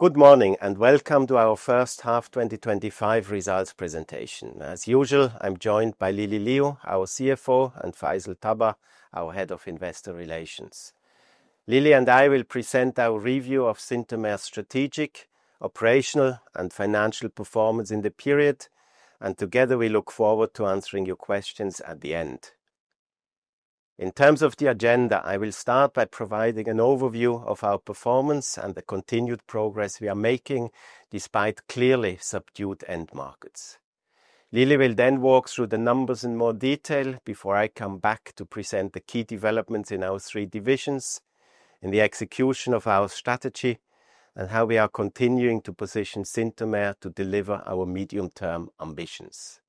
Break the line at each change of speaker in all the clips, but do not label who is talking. Good morning and welcome to our First Half 2025 Results presentation. As usual, I'm joined by Lily Liu, our CFO, and Faisal Tabbah, our Head of Investor Relations. Lily and I will present our review of Synthomer's strategic, operational, and financial performance in the period, and together we look forward to answering your questions at the end. In terms of the agenda, I will start by providing an overview of our performance and the continued progress we are making despite clearly subdued end markets. Lily will then walk through the numbers in more detail before I come back to present the key developments in our three divisions, in the execution of our strategy, and how we are continuing to position Synthomer to deliver our medium-term ambitions.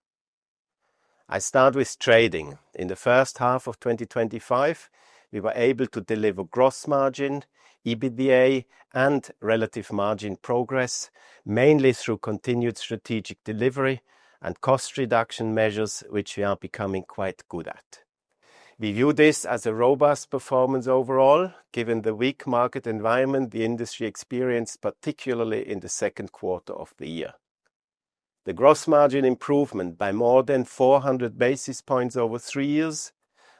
I start with trading. In the first half of 2025, we were able to deliver gross margin, EBITDA, and relative margin progress, mainly through continued strategic delivery and cost reduction measures, which we are becoming quite good at. We view this as a robust performance overall, given the weak market environment the industry experienced, particularly in the second quarter of the year. The gross margin improvement by more than 400 basis points over three years,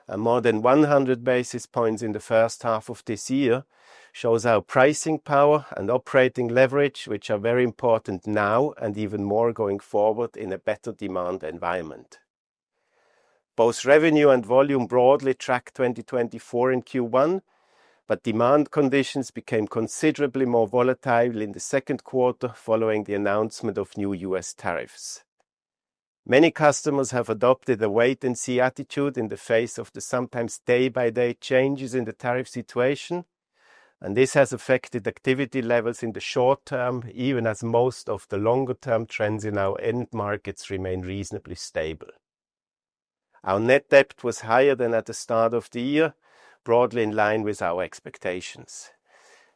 and more than 100 basis points in the first half of this year, shows our pricing power and operating leverage, which are very important now and even more going forward in a better demand environment. Both revenue and volume broadly tracked 2024 in Q1, but demand conditions became considerably more volatile in the second quarter following the announcement of new U.S. tariffs. Many customers have adopted a wait-and-see attitude in the face of the sometimes day-by-day changes in the tariff situation, and this has affected activity levels in the short term, even as most of the longer-term trends in our end markets remain reasonably stable. Our net debt was higher than at the start of the year, broadly in line with our expectations.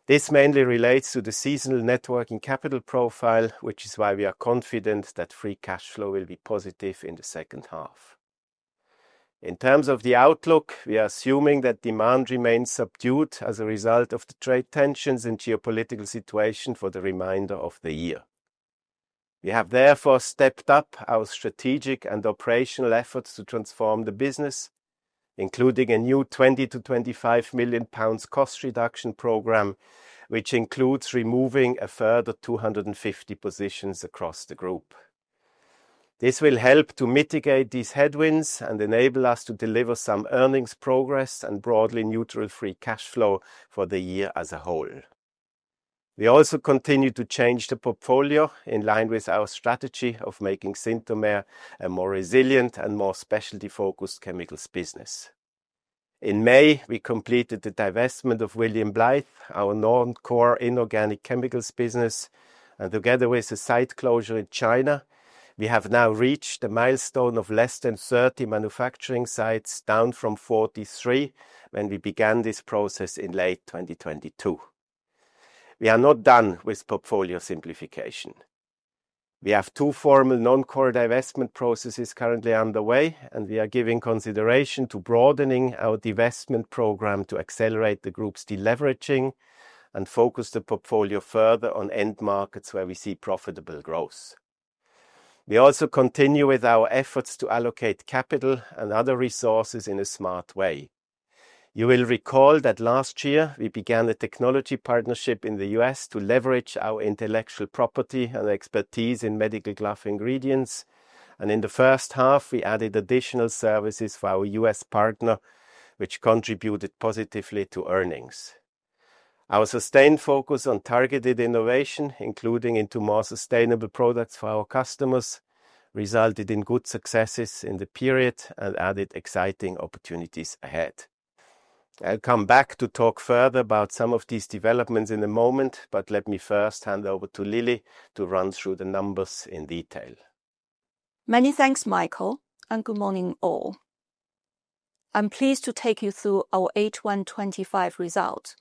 This mainly relates to the seasonal net working capital profile, which is why we are confident that free cash flow will be positive in the second half. In terms of the outlook, we are assuming that demand remains subdued as a result of the trade tensions and geopolitical situation for the remainder of the year. We have therefore stepped up our strategic and operational efforts to transform the business, including a new 20 million-25 million pounds cost reduction program, which includes removing a further 250 positions across the group. This will help to mitigate these headwinds and enable us to deliver some earnings progress and broadly neutral free cash flow for the year as a whole. We also continue to change the portfolio in line with our strategy of making Synthomer a more resilient and more specialty-focused chemicals business. In May, we completed the divestment of William Blythe, our non-core inorganic chemicals business, and together with a site closure in China, we have now reached the milestone of less than 30 manufacturing sites, down from 43 when we began this process in late 2022. We are not done with portfolio simplification. We have two formal non-core divestment processes currently underway, and we are giving consideration to broadening our divestment program to accelerate the group's deleveraging and focus the portfolio further on end markets where we see profitable growth. We also continue with our efforts to allocate capital and other resources in a smart way. You will recall that last year we began a technology partnership in the U.S. to leverage our intellectual property and expertise in medical glove ingredients, and in the first half, we added additional services for our U.S. partner, which contributed positively to earnings. Our sustained focus on targeted innovation, including into more sustainable products for our customers, resulted in good successes in the period and added exciting opportunities ahead. I'll come back to talk further about some of these developments in a moment, but let me first hand over to Lily to run through the numbers in detail.
Many thanks, Michael, and good morning all. I'm pleased to take you through our H1 2025 result,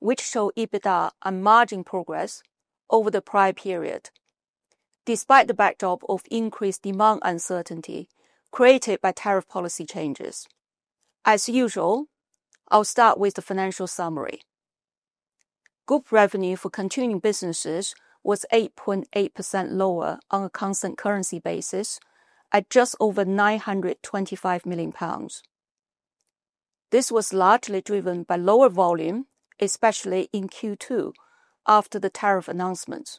which shows EBITDA and margin progress over the prior period, despite the backdrop of increased demand uncertainty created by tariff policy changes. As usual, I'll start with the financial summary. Group revenue for continuing businesses was 8.8% lower on a constant currency basis at just over 925 million pounds. This was largely driven by lower volume, especially in Q2 after the tariff announcements,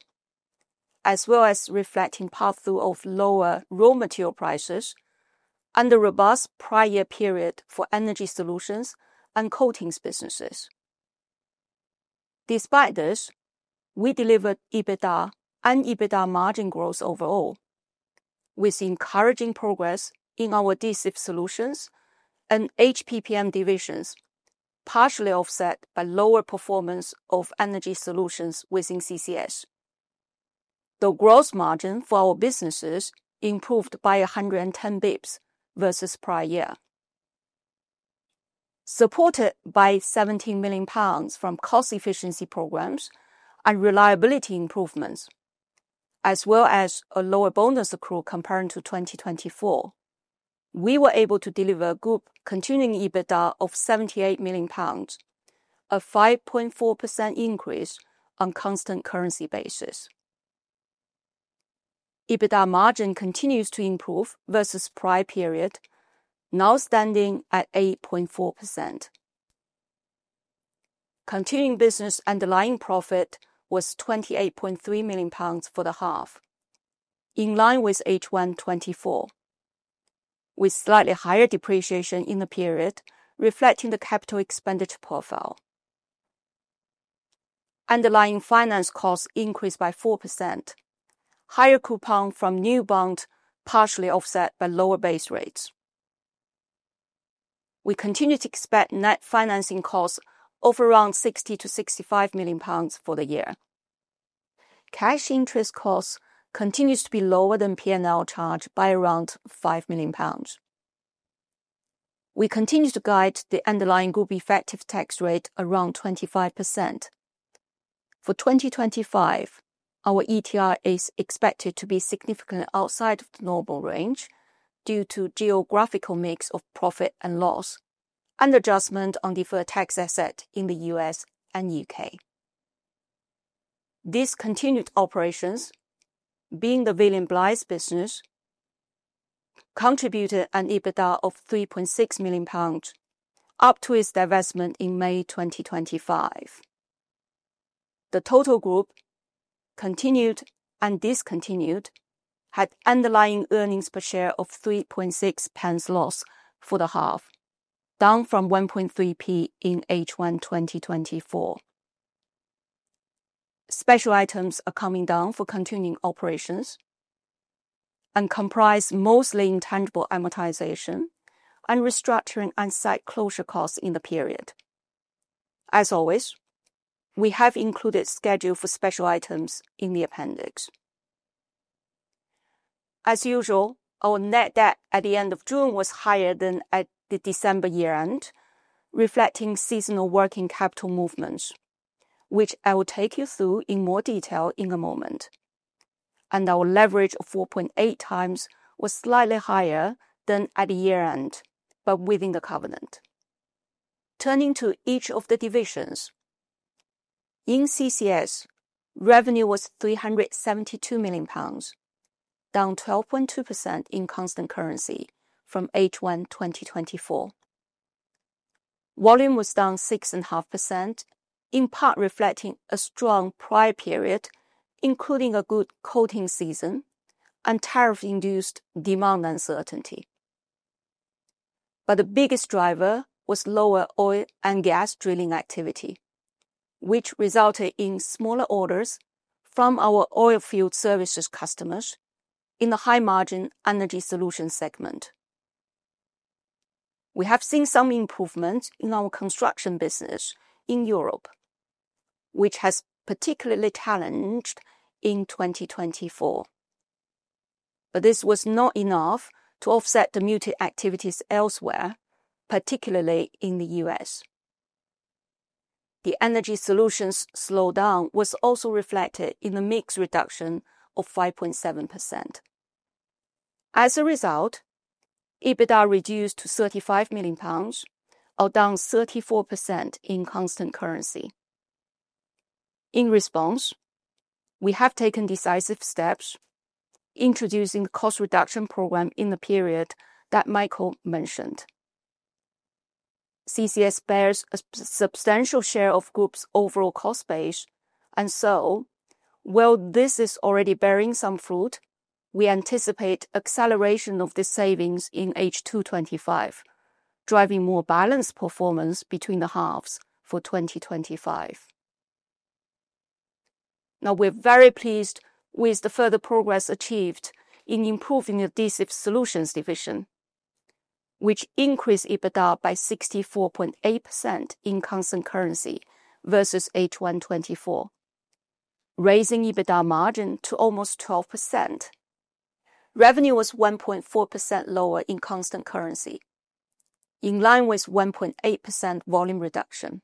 as well as reflecting the pass through of lower raw material prices and the robust prior year period for energy solutions and coatings businesses. Despite this, we delivered EBITDA and EBITDA margin growth overall, with encouraging progress in our adhesive solutions and HPPM divisions, partially offset by lower performance of energy solutions within CCS. The gross margin for our businesses improved by 110 bps versus prior year, supported by 17 million pounds from cost efficiency programs and reliability improvements, as well as a lower bonus accrual compared to 2024. We were able to deliver a group continuing EBITDA of GBP 78 million, a 5.4% increase on a constant currency basis. EBITDA margin continues to improve versus the prior period, now standing at 8.4%. Continuing business underlying profit was 28.3 million pounds for the half, in line with H1 2024, with slightly higher depreciation in the period, reflecting the capital expenditure profile. Underlying finance costs increased by 4%, higher coupons from new bonds partially offset by lower base rates. We continue to expect net financing costs of around 60 million-65 million pounds for the year. Cash interest costs continue to be lower than P&L charged by around 5 million pounds. We continue to guide the underlying group effective tax rate around 25%. For 2025, our ETR is expected to be significantly outside of the normal range due to a geographical mix of profit and loss and adjustment on deferred tax assets in the U.S. and UK. Discontinued operations, being the William Blythe business, contributed an EBITDA of GBP 3.6 million up to its divestment in May 2025. The total group continued and discontinued had underlying earnings per share of 0.036 loss for the half, down from 0.013 in H1 2024. Special items are coming down for continuing operations and comprise mostly intangible amortization and restructuring and site closure costs in the period. As always, we have included schedules for special items in the appendix. As usual, our net debt at the end of June was higher than at the December year-end, reflecting seasonal working capital movements, which I will take you through in more detail in a moment. Our leverage of 4.8x was slightly higher than at the year-end, but within the covenant. Turning to each of the divisions, in CCS, revenue was 372 million pounds, down 12.2% in constant currency from H1 2024. Volume was down 6.5%, in part reflecting a strong prior period, including a good coating season and tariff-induced demand uncertainty. The biggest driver was lower oil and gas drilling activity, which resulted in smaller orders from our oilfield services customers in the high-margin energy solutions segment. We have seen some improvement in our construction business in Europe, which has been particularly challenged in 2024. This was not enough to offset the muted activities elsewhere, particularly in the U.S. The energy solutions' slowdown was also reflected in the mix reduction of 5.7%. As a result, EBITDA reduced to 35 million pounds, or down 34% in constant currency. In response, we have taken decisive steps introducing the cost reduction program in the period that Michael mentioned. CCS bears a substantial share of the group's overall cost base, and so, while this is already bearing some fruit, we anticipate acceleration of the savings in H2 2025, driving more balanced performance between the halves for 2025. Now, we're very pleased with the further progress achieved in improving the adhesive solutions division, which increased EBITDA by 64.8% in constant currency versus H1 2024, raising EBITDA margin to almost 12%. Revenue was 1.4% lower in constant currency, in line with 1.8% volume reduction.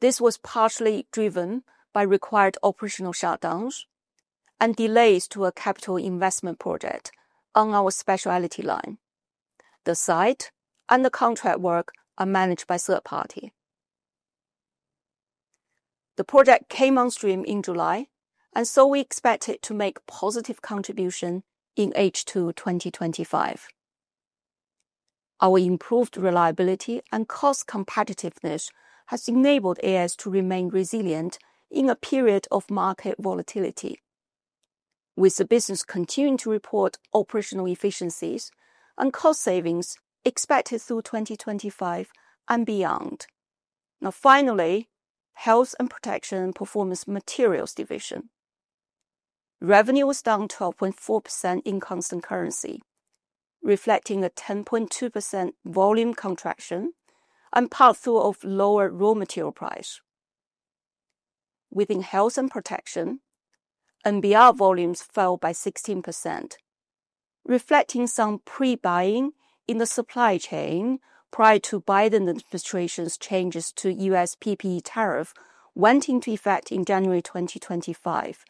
This was partially driven by required operational shutdowns and delays to a capital investment project on our specialty line. The site and the contract work are managed by a third party. The project came on stream in July, and we expect it to make a positive contribution in H2 2025. Our improved reliability and cost competitiveness have enabled AS to remain resilient in a period of market volatility, with the business continuing to report operational efficiencies and cost savings expected through 2025 and beyond. Finally, the health and protection and performance materials division. Revenue was down 12.4% in constant currency, reflecting a 10.2% volume contraction and pass through of lower raw material price. Within health and protection, NBR volumes fell by 16%, reflecting some pre-buying in the supply chain prior to the Biden administration's changes to U.S. PPE tariff that went into effect in January 2025,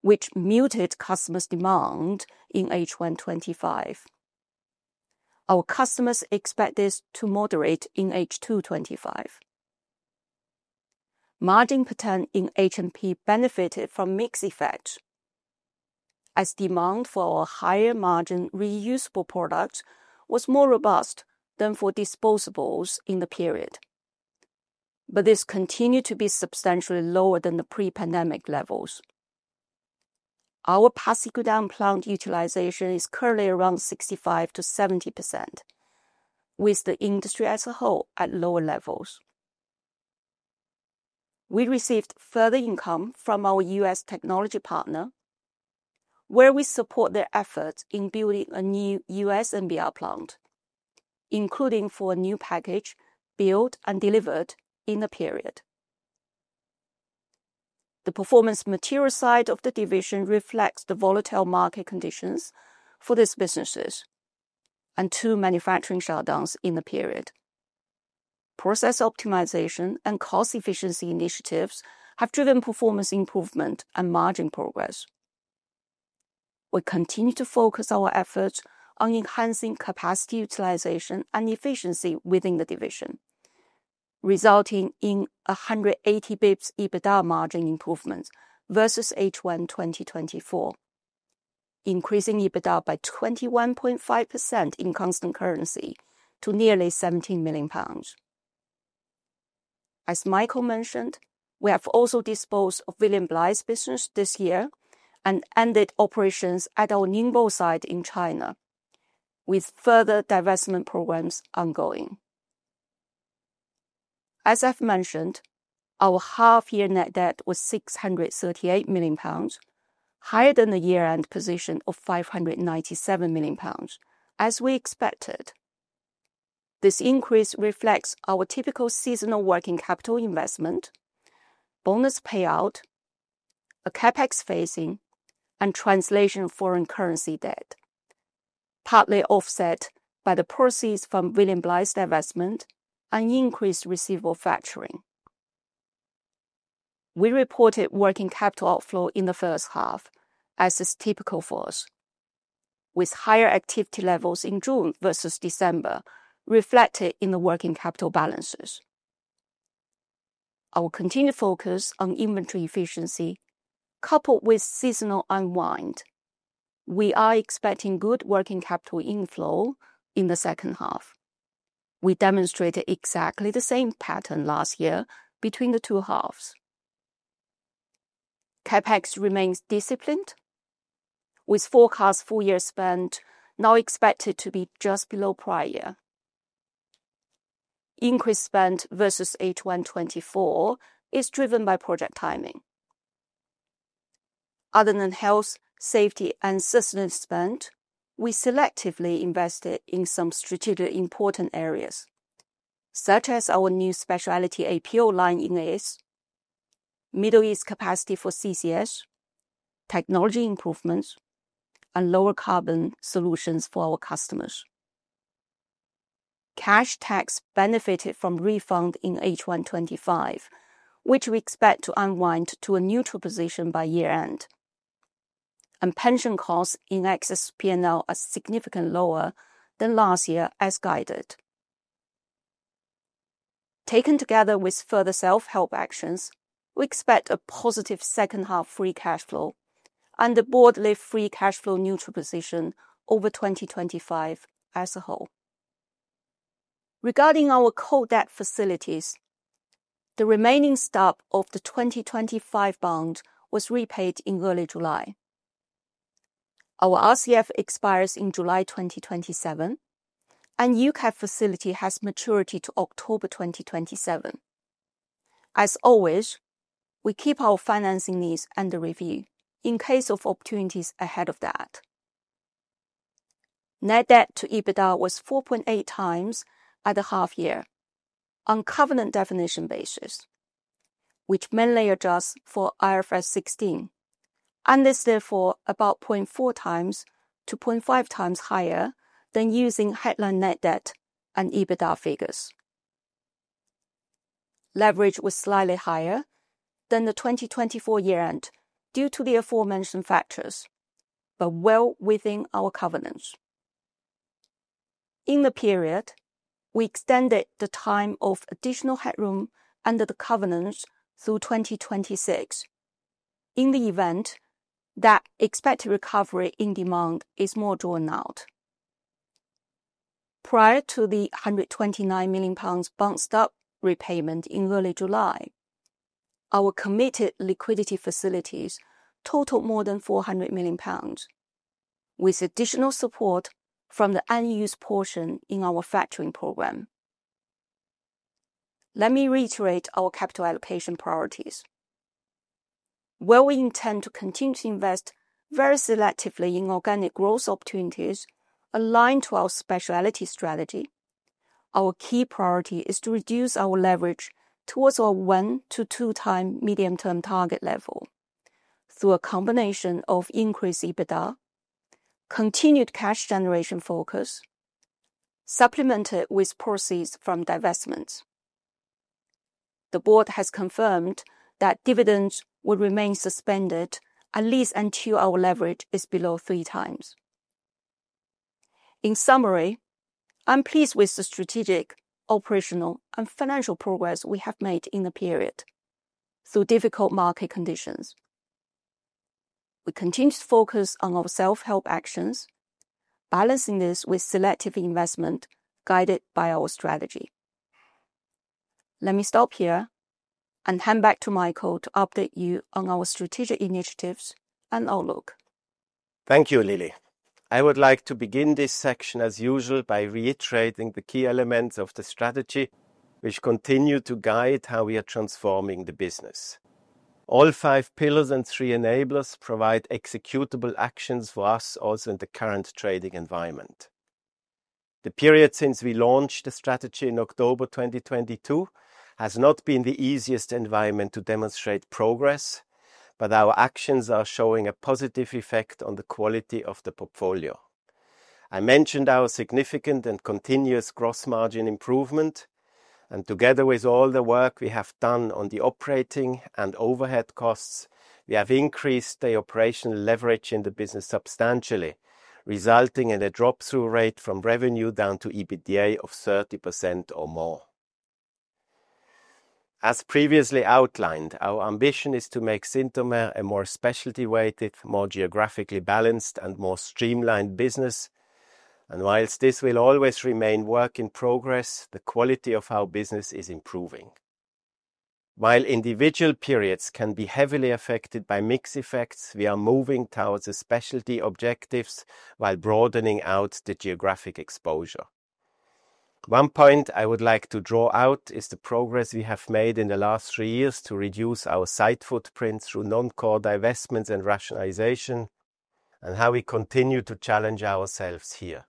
which muted customers' demand in H1 2025. Our customers expect this to moderate in H2 2025. Margin per tonne in H&P benefited from mix effects, as demand for our higher margin reusable product was more robust than for disposables in the period. This continued to be substantially lower than the pre-pandemic levels. Our passive grid plant utilization is currently around 65%-70%, with the industry as a whole at lower levels. We received further income from our U.S. technology partner, where we support their efforts in building a new U.S. NBR plant, including for a new package built and delivered in the period. The performance materials side of the division reflects the volatile market conditions for these businesses and two manufacturing shutdowns in the period. Process optimization and cost efficiency initiatives have driven performance improvement and margin progress. We continue to focus our efforts on enhancing capacity utilization and efficiency within the division, resulting in a 180 bps EBITDA margin improvement versus H1 2024, increasing EBITDA by 21.5% in constant currency to nearly 17 million pounds. As Michael mentioned, we have also disposed of William Blythe's business this year and ended operations at our Ningbo site in China, with further divestment programs ongoing. As I've mentioned, our half-year net debt was 638 million pounds, higher than the year-end position of 597 million pounds, as we expected. This increase reflects our typical seasonal working capital investment, bonus payout, CapEx phasing, and translation of foreign currency debt, partly offset by the proceeds from William Blythe's divestment and increased receivable factoring. We reported working capital outflow in the first half, as is typical for us, with higher activity levels in June versus December reflected in the working capital balances. Our continued focus on inventory efficiency, coupled with seasonal unwind, means we are expecting good working capital inflow in the second half. We demonstrated exactly the same pattern last year between the two halves. CapEx remains disciplined, with forecast full-year spend now expected to be just below prior year. Increased spend versus H1 2024 is driven by project timing. Other than health, safety, and sustainability spend, we selectively invested in some strategically important areas, such as our new specialty APO line in the East, Middle East capacity for CCS, technology improvements, and lower carbon solutions for our customers. Cash tax benefited from refund in H1 2025, which we expect to unwind to a neutral position by year-end, and pension costs in excess P&L are significantly lower than last year as guided. Taken together with further self-help actions, we expect a positive second half free cash flow and a broadly free cash flow neutral position over 2025 as a whole. Regarding our core debt facilities, the remaining stub of the 2025 bond was repaid in early July. Our RCF expires in July 2027, and the U.K. facility has maturity to October 2027. As always, we keep our financing needs under review in case of opportunities ahead of that. Net debt to EBITDA was 4.8x at the half-year on covenant definition basis, which mainly adjusts for IFRS 16, and is therefore about 0.4x-0.5x higher than using headline net debt and EBITDA figures. Leverage was slightly higher than the 2024 year-end due to the aforementioned factors, but well within our covenants. In the period, we extended the time of additional headroom under the covenants through 2026, in the event that expected recovery in demand is more drawn out. Prior to the GBP 129 million bond stub repayment in early July, our committed liquidity facilities totaled more than 400 million pounds, with additional support from the unused portion in our factoring program. Let me reiterate our capital allocation priorities. While we intend to continue to invest very selectively in organic growth opportunities aligned to our specialty strategy, our key priority is to reduce our leverage towards our 1x-2x medium-term target level through a combination of increased EBITDA and continued cash generation focus, supplemented with proceeds from divestments. The board has confirmed that dividends will remain suspended at least until our leverage is below 3x. In summary, I'm pleased with the strategic, operational, and financial progress we have made in the period through difficult market conditions. We continue to focus on our self-help actions, balancing this with selective investment guided by our strategy. Let me stop here and hand back to Michael to update you on our strategic initiatives and outlook.
Thank you, Lily. I would like to begin this section, as usual, by reiterating the key elements of the strategy, which continue to guide how we are transforming the business. All five pillars and three enablers provide executable actions for us, also in the current trading environment. The period since we launched the strategy in October 2022 has not been the easiest environment to demonstrate progress, but our actions are showing a positive effect on the quality of the portfolio. I mentioned our significant and continuous gross margin improvement, and together with all the work we have done on the operating and overhead costs, we have increased the operational leverage in the business substantially, resulting in a drop-through rate from revenue down to EBITDA of 30% or more. As previously outlined, our ambition is to make Synthomer a more specialty-weighted, more geographically balanced, and more streamlined business. Whilst this will always remain work in progress, the quality of our business is improving. While individual periods can be heavily affected by mixed effects, we are moving towards the specialty objectives while broadening out the geographic exposure. One point I would like to draw out is the progress we have made in the last three years to reduce our site footprint through non-core divestments and rationalization, and how we continue to challenge ourselves here.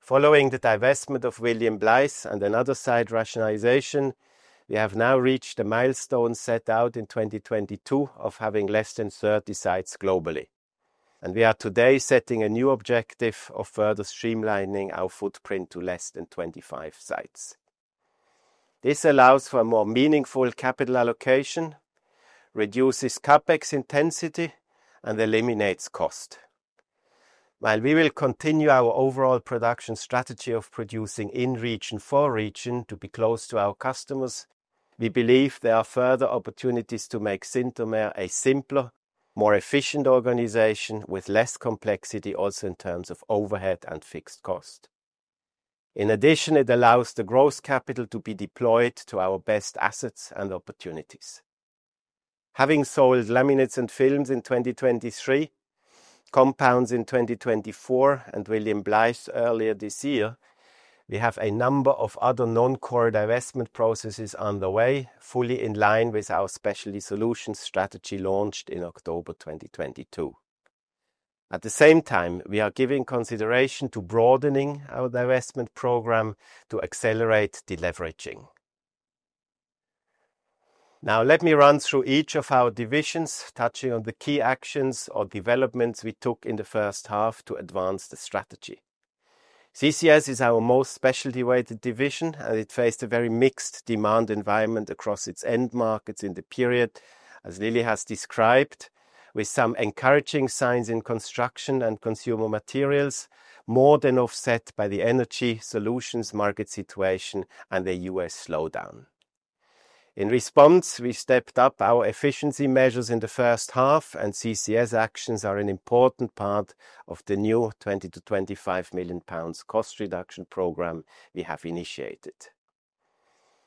Following the divestment of William Blythe and another site rationalization, we have now reached the milestone set out in 2022 of having less than 30 sites globally, and we are today setting a new objective of further streamlining our footprint to less than 25 sites. This allows for a more meaningful capital allocation, reduces CapEx intensity, and eliminates cost. While we will continue our overall production strategy of producing in region for region to be close to our customers, we believe there are further opportunities to make Synthomer a simpler, more efficient organization with less complexity, also in terms of overhead and fixed cost. In addition, it allows the gross capital to be deployed to our best assets and opportunities. Having sold laminates and films in 2023, compounds in 2024, and William Blythe earlier this year, we have a number of other non-core divestment processes underway, fully in line with our specialty solutions strategy launched in October 2022. At the same time, we are giving consideration to broadening our divestment program to accelerate deleveraging. Now, let me run through each of our divisions, touching on the key actions or developments we took in the first half to advance the strategy. CCS is our most specialty-weighted division, and it faced a very mixed demand environment across its end markets in the period, as Lily has described, with some encouraging signs in construction and consumer materials, more than offset by the energy solutions market situation and the U.S. slowdown. In response, we stepped up our efficiency measures in the first half, and CCS actions are an important part of the new 20 million-25 million pounds cost reduction program we have initiated.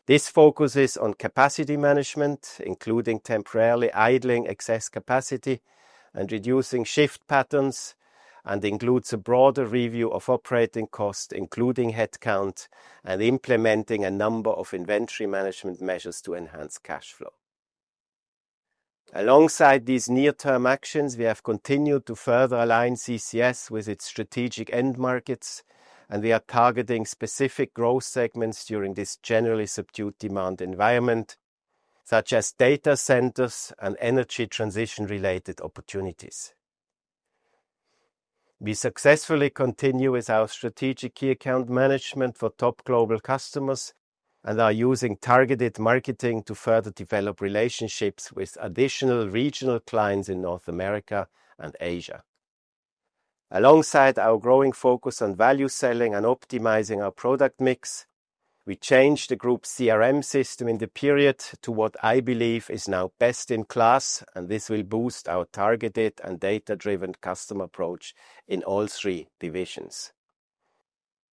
This focuses on capacity management, including temporarily idling excess capacity and reducing shift patterns, and includes a broader review of operating costs, including headcount, and implementing a number of inventory management measures to enhance cash flow. Alongside these near-term actions, we have continued to further align CCS with its strategic end markets, and we are targeting specific growth segments during this generally subdued demand environment, such as data centers and energy transition-related opportunities. We successfully continue with our strategic key account management for top global customers and are using targeted marketing to further develop relationships with additional regional clients in North America and Asia. Alongside our growing focus on value selling and optimizing our product mix, we changed the group CRM system in the period to what I believe is now best in class, and this will boost our targeted and data-driven customer approach in all three divisions.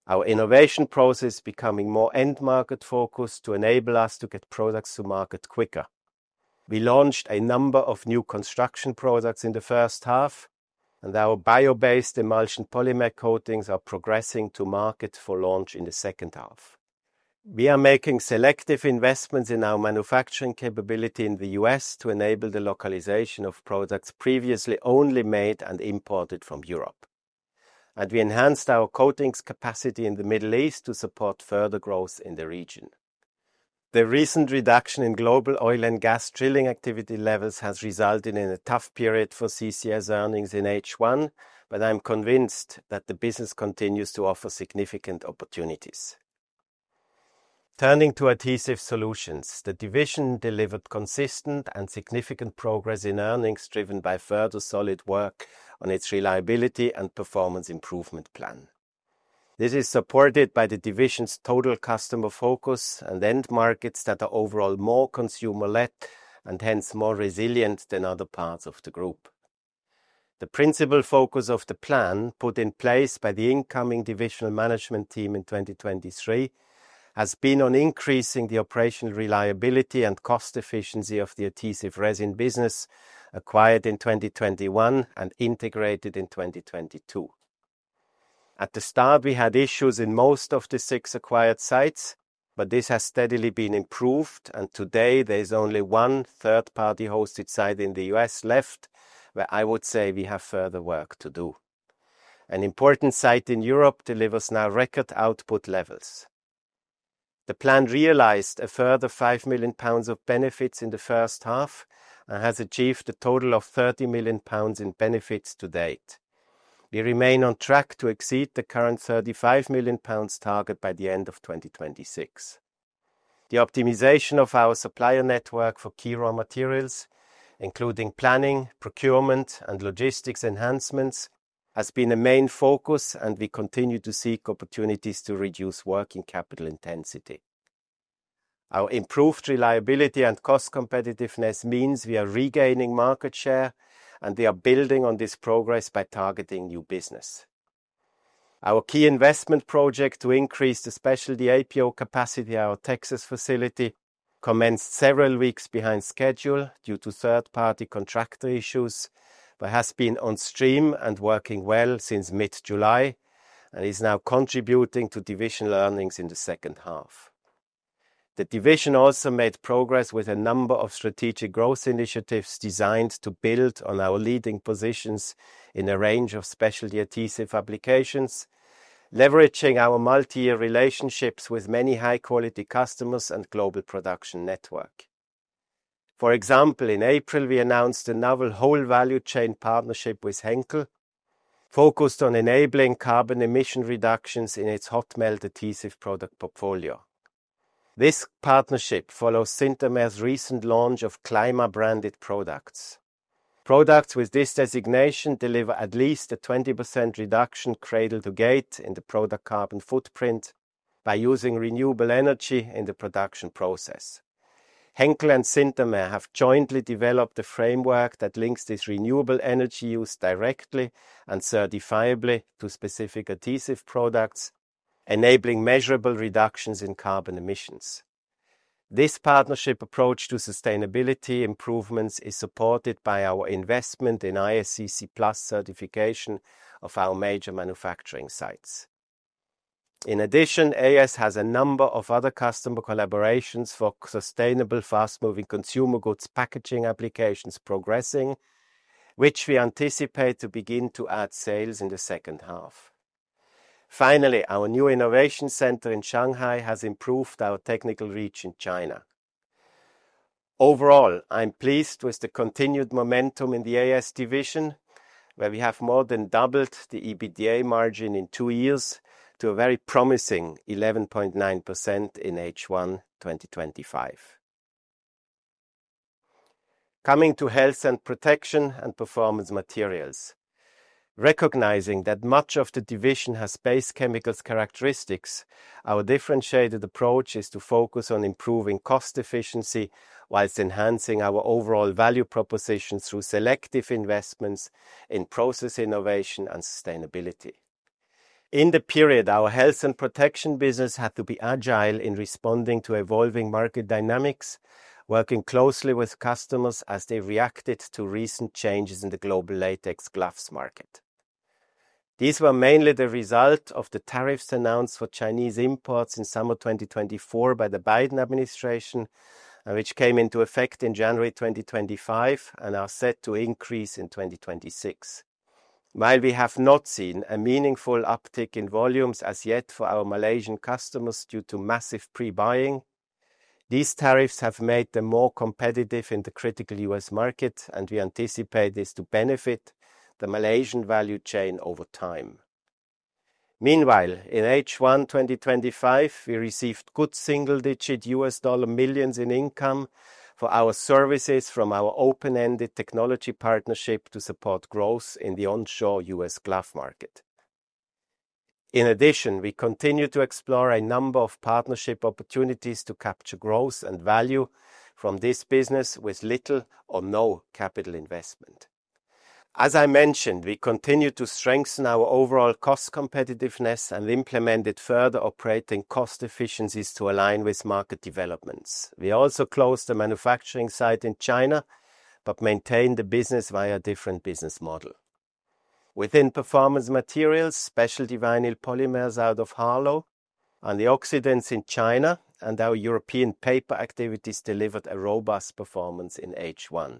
Our innovation process is becoming more end-market focused to enable us to get products to market quicker. We launched a number of new construction products in the first half, and our bio-based emulsion polymer coatings are progressing to market for launch in the second half. We are making selective investments in our manufacturing capability in the U.S. to enable the localization of products previously only made and imported from Europe, and we enhanced our coatings capacity in the Middle East to support further growth in the region. The recent reduction in global oil and gas drilling activity levels has resulted in a tough period for CCS earnings in H1, but I'm convinced that the business continues to offer significant opportunities. Turning to adhesive solutions, the division delivered consistent and significant progress in earnings, driven by further solid work on its reliability and performance improvement plan. This is supported by the division's total customer focus and end markets that are overall more consumer-led and hence more resilient than other parts of the group. The principal focus of the plan put in place by the incoming divisional management team in 2023 has been on increasing the operational reliability and cost efficiency of the adhesive resin business acquired in 2021 and integrated in 2022. At the start, we had issues in most of the six acquired sites, but this has steadily been improved, and today there's only one third-party hosted site in the U.S. left where I would say we have further work to do. An important site in Europe delivers now record output levels. The plan realized a further 5 million pounds of benefits in the first half and has achieved a total of 30 million pounds in benefits to date. We remain on track to exceed the current 35 million pounds target by the end of 2026. The optimization of our supplier network for key raw materials, including planning, procurement, and logistics enhancements, has been a main focus, and we continue to seek opportunities to reduce working capital intensity. Our improved reliability and cost competitiveness means we are regaining market share, and we are building on this progress by targeting new business. Our key investment project to increase the specialty APO capacity at our Texas facility commenced several weeks behind schedule due to third-party contractor issues, but has been on stream and working well since mid-July and is now contributing to division earnings in the second half. The division also made progress with a number of strategic growth initiatives designed to build on our leading positions in a range of specialty adhesive applications, leveraging our multi-year relationships with many high-quality customers and global production network. For example, in April, we announced a novel whole value chain partnership with Henkel, focused on enabling carbon emission reductions in its hot melt adhesive product portfolio. This partnership follows Synthomer's recent launch of CLIMA-branded products. Products with this designation deliver at least a 20% reduction cradle to gate in the product carbon footprint by using renewable energy in the production process. Henkel and Synthomer have jointly developed a framework that links this renewable energy use directly and certifiably to specific adhesive products, enabling measurable reductions in carbon emissions. This partnership approach to sustainability improvements is supported by our investment in ISCC PLUS certification of our major manufacturing sites. In addition, AS has a number of other customer collaborations for sustainable fast-moving consumer goods packaging applications progressing, which we anticipate to begin to add sales in the second half. Finally, our new innovation center in Shanghai has improved our technical reach in China. Overall, I'm pleased with the continued momentum in the AS division, where we have more than doubled the EBITDA margin in two years to a very promising 11.9% in H1 2025. Coming to health and protection and performance materials, recognizing that much of the division has specialty chemicals characteristics, our differentiated approach is to focus on improving cost efficiency whilst enhancing our overall value proposition through selective investments in process innovation and sustainability. In the period, our health and protection business had to be agile in responding to evolving market dynamics, working closely with customers as they reacted to recent changes in the global latex gloves market. These were mainly the result of the tariffs announced for Chinese imports in summer 2024 by the Biden administration, which came into effect in January 2025 and are set to increase in 2026. While we have not seen a meaningful uptick in volumes as yet for our Malaysian customers due to massive pre-buying, these tariffs have made them more competitive in the critical U.S. market, and we anticipate this to benefit the Malaysian value chain over time. Meanwhile, in H1 2025, we received good single-digit U.S. dollar millions in income for our services from our open-ended technology partnership to support growth in the onshore U.S. glove market. In addition, we continue to explore a number of partnership opportunities to capture growth and value from this business with little or no capital investment. As I mentioned, we continue to strengthen our overall cost competitiveness and implemented further operating cost efficiencies to align with market developments. We also closed the manufacturing site in China, but maintained the business via a different business model. Within performance materials, specialty vinyl polymers out of Harlow, antioxidants in China, and our European paper activities delivered a robust performance in H1.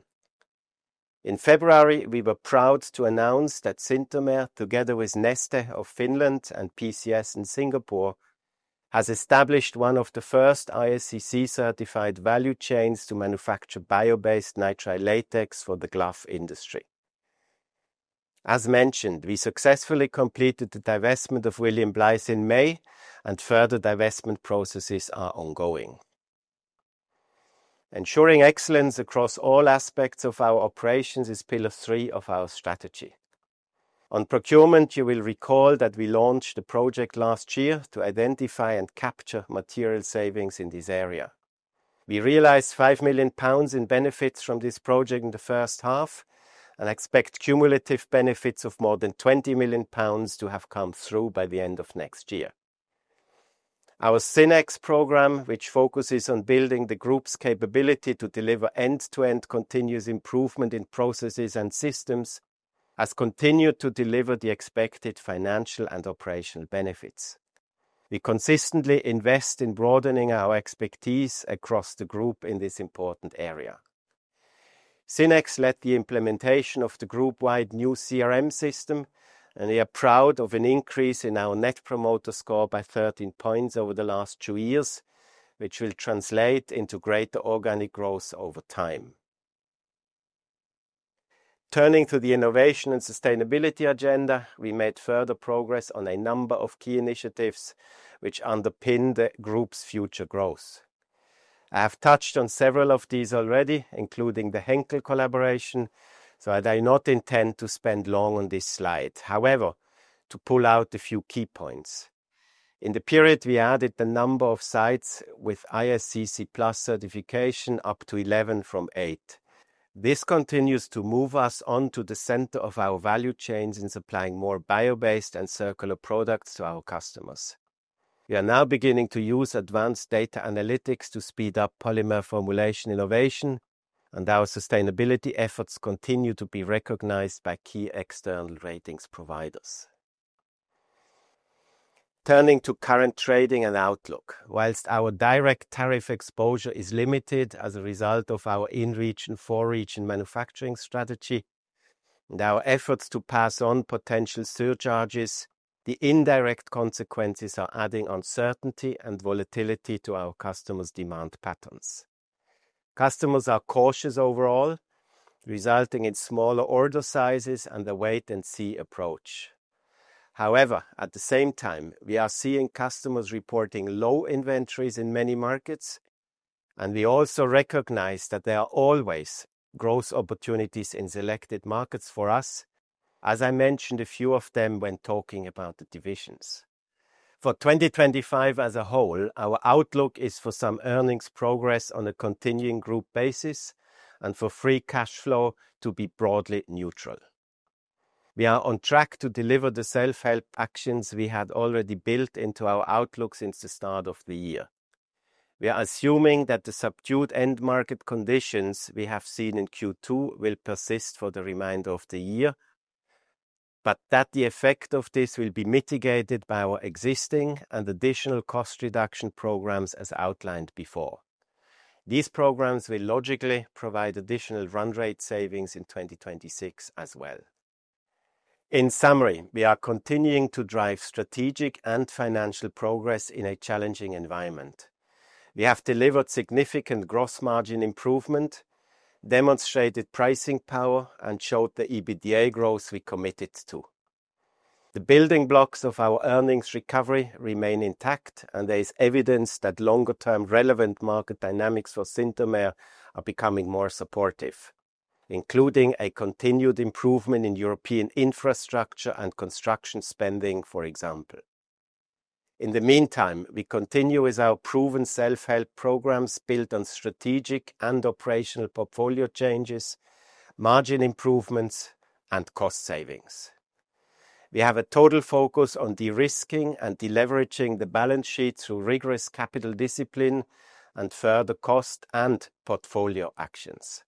In February, we were proud to announce that Synthomer, together with Neste of Finland and PCS in Singapore, has established one of the first ISCC-certified value chains to manufacture bio-based nitrile latex for the glove industry. As mentioned, we successfully completed the divestment of William Blythe in May, and further divestment processes are ongoing. Ensuring excellence across all aspects of our operations is pillar three of our strategy. On procurement, you will recall that we launched the project last year to identify and capture material savings in this area. We realized 5 million pounds in benefits from this project in the first half and expect cumulative benefits of more than 20 million pounds to have come through by the end of next year. Our SynEx program, which focuses on building the group's capability to deliver end-to-end continuous improvement in processes and systems, has continued to deliver the expected financial and operational benefits. We consistently invest in broadening our expertise across the group in this important area. SynEx led the implementation of the group-wide new CRM system, and we are proud of an increase in our net promoter score by 13 points over the last two years, which will translate into greater organic growth over time. Turning to the innovation and sustainability agenda, we made further progress on a number of key initiatives which underpin the group's future growth. I have touched on several of these already, including the Henkel collaboration, so I do not intend to spend long on this slide. However, to pull out a few key points. In the period, we added a number of sites with ISCC PLUS certification up to 11 from 8. This continues to move us onto the center of our value chains in supplying more bio-based and circular products to our customers. We are now beginning to use advanced data analytics to speed up polymer formulation innovation, and our sustainability efforts continue to be recognized by key external ratings providers. Turning to current trading and outlook, whilst our direct tariff exposure is limited as a result of our in-region and for-region manufacturing strategy and our efforts to pass on potential surcharges, the indirect consequences are adding uncertainty and volatility to our customers' demand patterns. Customers are cautious overall, resulting in smaller order sizes and a wait-and-see approach. However, at the same time, we are seeing customers reporting low inventories in many markets, and we also recognize that there are always growth opportunities in selected markets for us, as I mentioned a few of them when talking about the divisions. For 2025 as a whole, our outlook is for some earnings progress on a continuing group basis and for free cash flow to be broadly neutral. We are on track to deliver the self-help actions we had already built into our outlook since the start of the year. We are assuming that the subdued end market conditions we have seen in Q2 will persist for the remainder of the year, but the effect of this will be mitigated by our existing and additional cost reduction programs as outlined before. These programs will logically provide additional run rate savings in 2026 as well. In summary, we are continuing to drive strategic and financial progress in a challenging environment. We have delivered significant gross margin improvement, demonstrated pricing power, and showed the EBITDA growth we committed to. The building blocks of our earnings recovery remain intact, and there is evidence that longer-term relevant market dynamics for Synthomer are becoming more supportive, including a continued improvement in European infrastructure and construction spending, for example. In the meantime, we continue with our proven self-help programs built on strategic and operational portfolio changes, margin improvements, and cost savings. We have a total focus on de-risking and deleveraging the balance sheet through rigorous capital discipline and further cost and portfolio actions.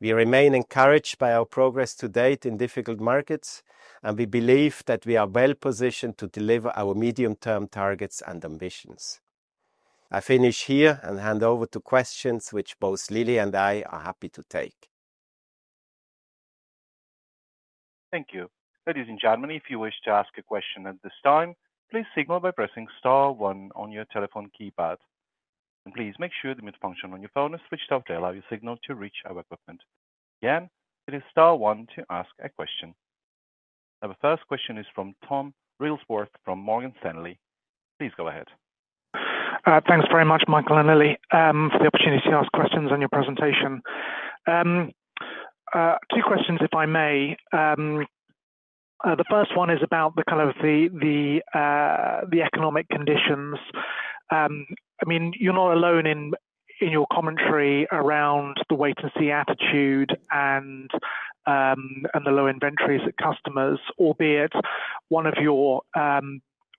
We remain encouraged by our progress to date in difficult markets, and we believe that we are well positioned to deliver our medium-term targets and ambitions. I finish here and hand over to questions, which both Lily and I are happy to take.
Thank you. That is in Germany. If you wish to ask a question at this time, please signal by pressing star one on your telephone keypad. Please make sure the mute function on your phone is switched off to allow your signal to reach our equipment. Again, it is star one to ask a question. Our first question is from Tom Wrigglesworth from Morgan Stanley. Please go ahead.
Thanks very much, Michael and Lily, for the opportunity to ask questions on your presentation. Two questions, if I may. The first one is about the kind of the economic conditions. I mean, you're not alone in your commentary around the wait-and-see attitude and the low inventories at customers, albeit one of your,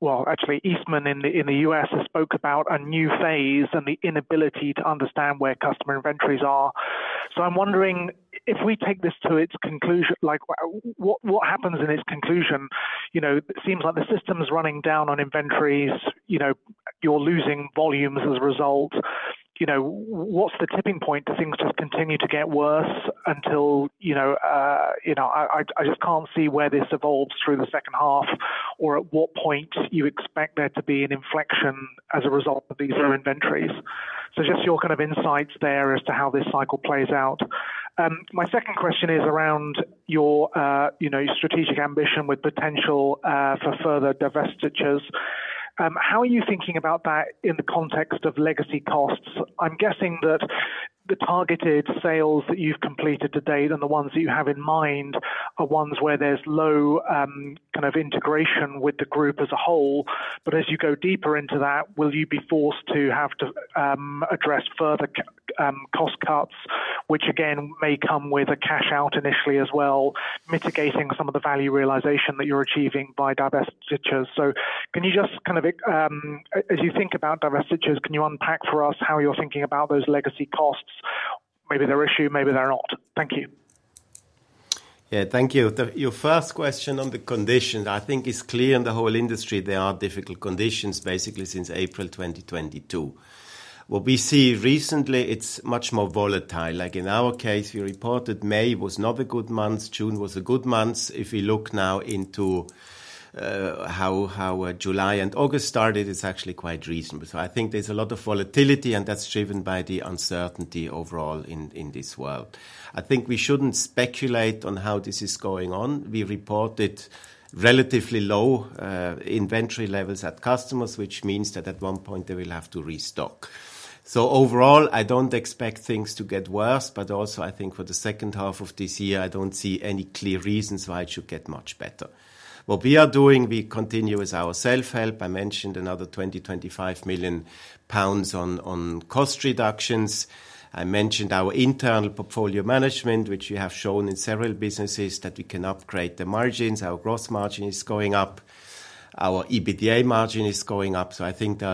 well, actually, Eastman in the U.S. has spoken about a new phase and the inability to understand where customer inventories are. I'm wondering if we take this to its conclusion, like what happens in its conclusion? It seems like the system is running down on inventories. You're losing volumes as a result. What's the tipping point? It seems to continue to get worse until, you know, I just can't see where this evolves through the second half or at what point you expect there to be an inflection as a result of these low inventories. Just your kind of insights there as to how this cycle plays out. My second question is around your strategic ambition with potential for further divestitures. How are you thinking about that in the context of legacy costs? I'm guessing that the targeted sales that you've completed to date and the ones that you have in mind are ones where there's low kind of integration with the group as a whole. As you go deeper into that, will you be forced to have to address further cost cuts, which again may come with a cash out initially as well, mitigating some of the value realization that you're achieving by divestitures? Can you just kind of, as you think about divestitures, unpack for us how you're thinking about those legacy costs? Maybe they're issue, maybe they're not. Thank you.
Yeah, thank you. Your first question on the conditions, I think, is clear in the whole industry. There are difficult conditions basically since April 2022. What we see recently, it's much more volatile. Like in our case, we reported May was not a good month. June was a good month. If we look now into how July and August started, it's actually quite reasonable. I think there's a lot of volatility, and that's driven by the uncertainty overall in this world. I think we shouldn't speculate on how this is going on. We reported relatively low inventory levels at customers, which means that at one point they will have to restock. Overall, I don't expect things to get worse, but also I think for the second half of this year, I don't see any clear reasons why it should get much better. What we are doing, we continue with our self-help. I mentioned another 20 million-25 million pounds on cost reductions. I mentioned our internal portfolio management, which we have shown in several businesses that you can upgrade the margins. Our gross margin is going up. Our EBITDA margin is going up. I think there's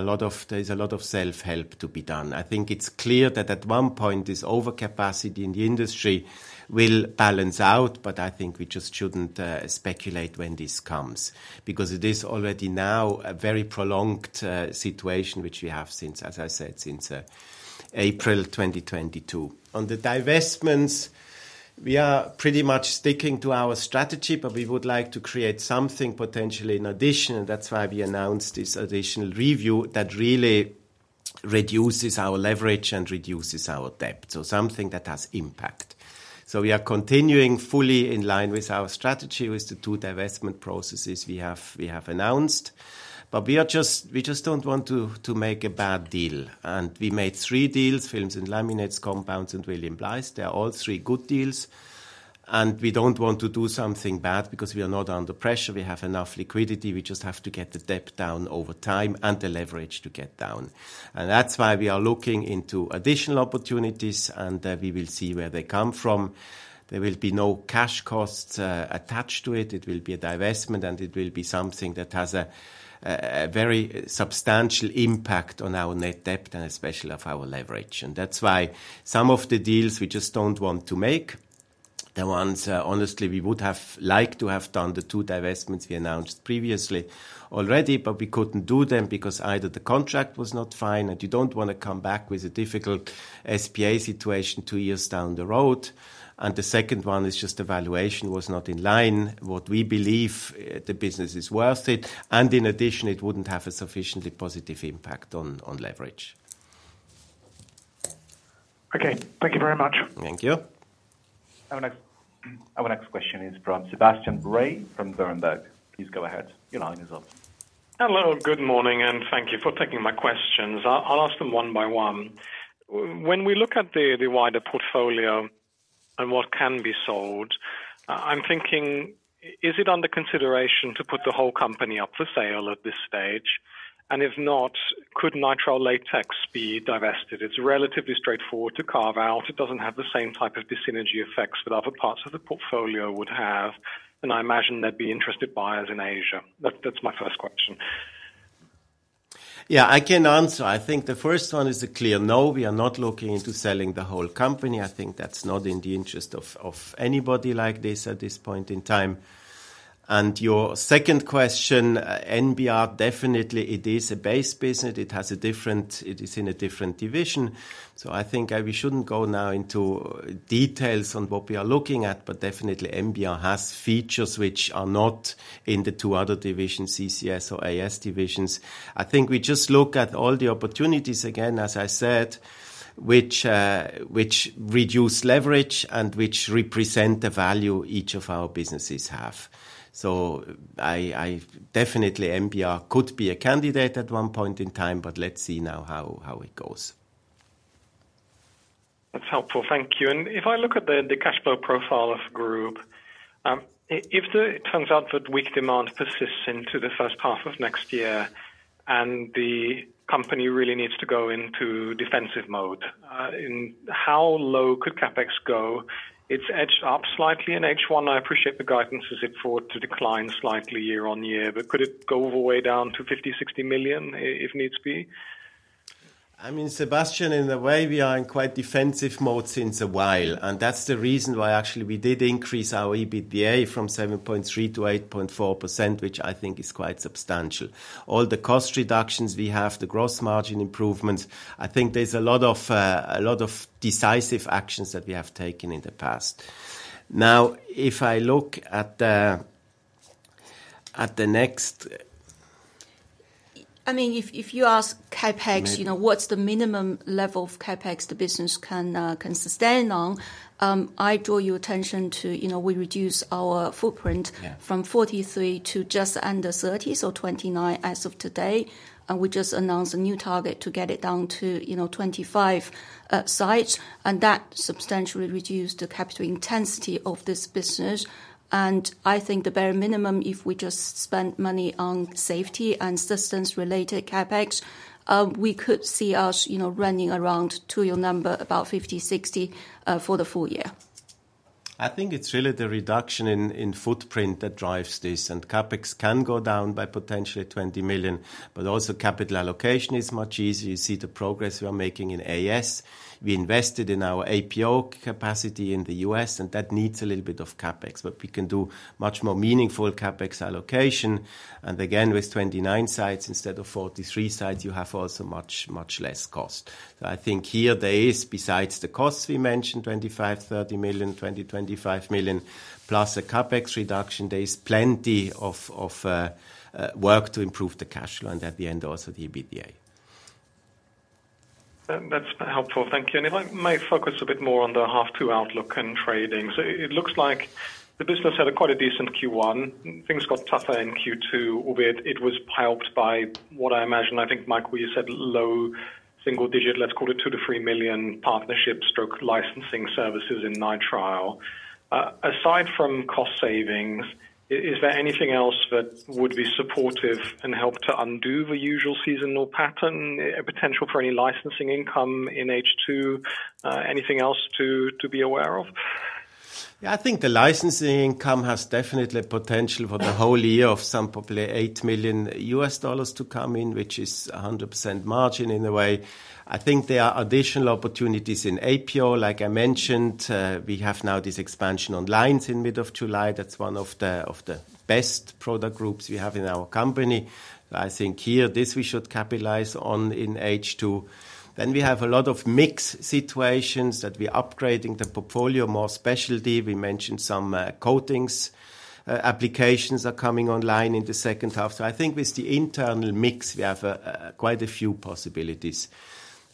a lot of self-help to be done. I think it's clear that at one point this overcapacity in the industry will balance out, but I think we just shouldn't speculate when this comes because it is already now a very prolonged situation, which we have since, as I said, since April 2022. On the divestments, we are pretty much sticking to our strategy, but we would like to create something potentially in addition, and that's why we announced this additional review that really reduces our leverage and reduces our debt. Something that has impact. We are continuing fully in line with our strategy with the two divestment processes we have announced, but we just don't want to make a bad deal. We made three deals: films and laminates, compounds, and William Blythe. They're all three good deals, and we don't want to do something bad because we are not under pressure. We have enough liquidity. We just have to get the debt down over time and the leverage to get down. That's why we are looking into additional opportunities, and we will see where they come from. There will be no cash costs attached to it. It will be a divestment, and it will be something that has a very substantial impact on our net debt and especially on our leverage. That's why some of the deals we just don't want to make. Honestly, we would have liked to have done the two divestments we announced previously already, but we couldn't do them because either the contract was not fine, and you don't want to come back with a difficult SPA situation two years down the road. The second one is just the valuation was not in line. What we believe the business is worth, and in addition, it wouldn't have a sufficiently positive impact on leverage.
Okay, thank you very much.
Thank you.
Our next question is from Sebastian Bray from Berenberg. Please go ahead. Your line is open.
Hello, good morning, and thank you for taking my questions. I'll ask them one by one. When we look at the wider portfolio and what can be sold, I'm thinking, is it under consideration to put the whole company up for sale at this stage? If not, could nitrile latex be divested? It's relatively straightforward to carve out. It doesn't have the same type of synergy effects that other parts of the portfolio would have, and I imagine there'd be interested buyers in Asia. That's my first question.
Yeah, I can answer. I think the first one is a clear no. We are not looking into selling the whole company. I think that's not in the interest of anybody like this at this point in time. Your second question, NBR, definitely, it is a base business. It is in a different division. I think we shouldn't go now into details on what we are looking at, but definitely NBR has features which are not in the two other divisions, CCS or AS divisions. I think we just look at all the opportunities again, as I said, which reduce leverage and which represent the value each of our businesses have. Definitely NBR could be a candidate at one point in time, but let's see now how it goes.
That's helpful. Thank you. If I look at the cash flow profile of the group, if it turns out that weak demand persists into the first half of next year and the company really needs to go into defensive mode, how low could CapEx go? It's edged up slightly in H1. I appreciate the guidance as it forwards to decline slightly year on year, but could it go all the way down to 50 million-60 million if needs be?
I mean, Sebastian, in a way, we are in quite defensive mode since a while, and that's the reason why actually we did increase our EBITDA from 7.3% to 8.4%, which I think is quite substantial. All the cost reductions we have, the gross margin improvements, I think there's a lot of decisive actions that we have taken in the past. Now, if I look at the next.
If you ask CapEx, you know, what's the minimum level of CapEx the business can sustain on? I draw your attention to, you know, we reduced our footprint from 43 to just under 30, so 29 as of today. We just announced a new target to get it down to, you know, 25 sites, and that substantially reduced the capital intensity of this business. I think the bare minimum, if we just spend money on safety and systems-related CapEx, we could see us, you know, running around to your number, about 50 million-60 million for the full year.
I think it's really the reduction in footprint that drives this, and CapEx can go down by potentially 20 million, but also capital allocation is much easier. You see the progress we are making in AS. We invested in our APO capacity in the U.S., and that needs a little bit of CapEx, but we can do much more meaningful CapEx allocation. With 29 sites instead of 43 sites, you have also much, much less cost. I think here there is, besides the costs we mentioned, 25 million, 30 million, 20 million, 25 million plus a CapEx reduction, there's plenty of work to improve the cash flow and at the end also the EBITDA.
That's helpful. Thank you. If I may focus a bit more on the half two outlook and trading, it looks like the business had quite a decent Q1. Things got tougher in Q2, albeit it was helped by what I imagine, I think, Michael, you said low single digit, let's call it 2 million-3 million partnerships stroke licensing services in nitrile. Aside from cost savings, is there anything else that would be supportive and help to undo the usual seasonal pattern? A potential for any licensing income in H2? Anything else to be aware of?
Yeah, I think the licensing income has definitely potential for the whole year of some GBP 8 million to come in, which is 100% margin in a way. I think there are additional opportunities in APO. Like I mentioned, we have now this expansion on lines in the middle of July. That's one of the best product groups we have in our company. I think here, this we should capitalize on in H2. We have a lot of mixed situations that we are upgrading the portfolio more specialty. We mentioned some coatings applications are coming online in the second half. I think with the internal mix, we have quite a few possibilities.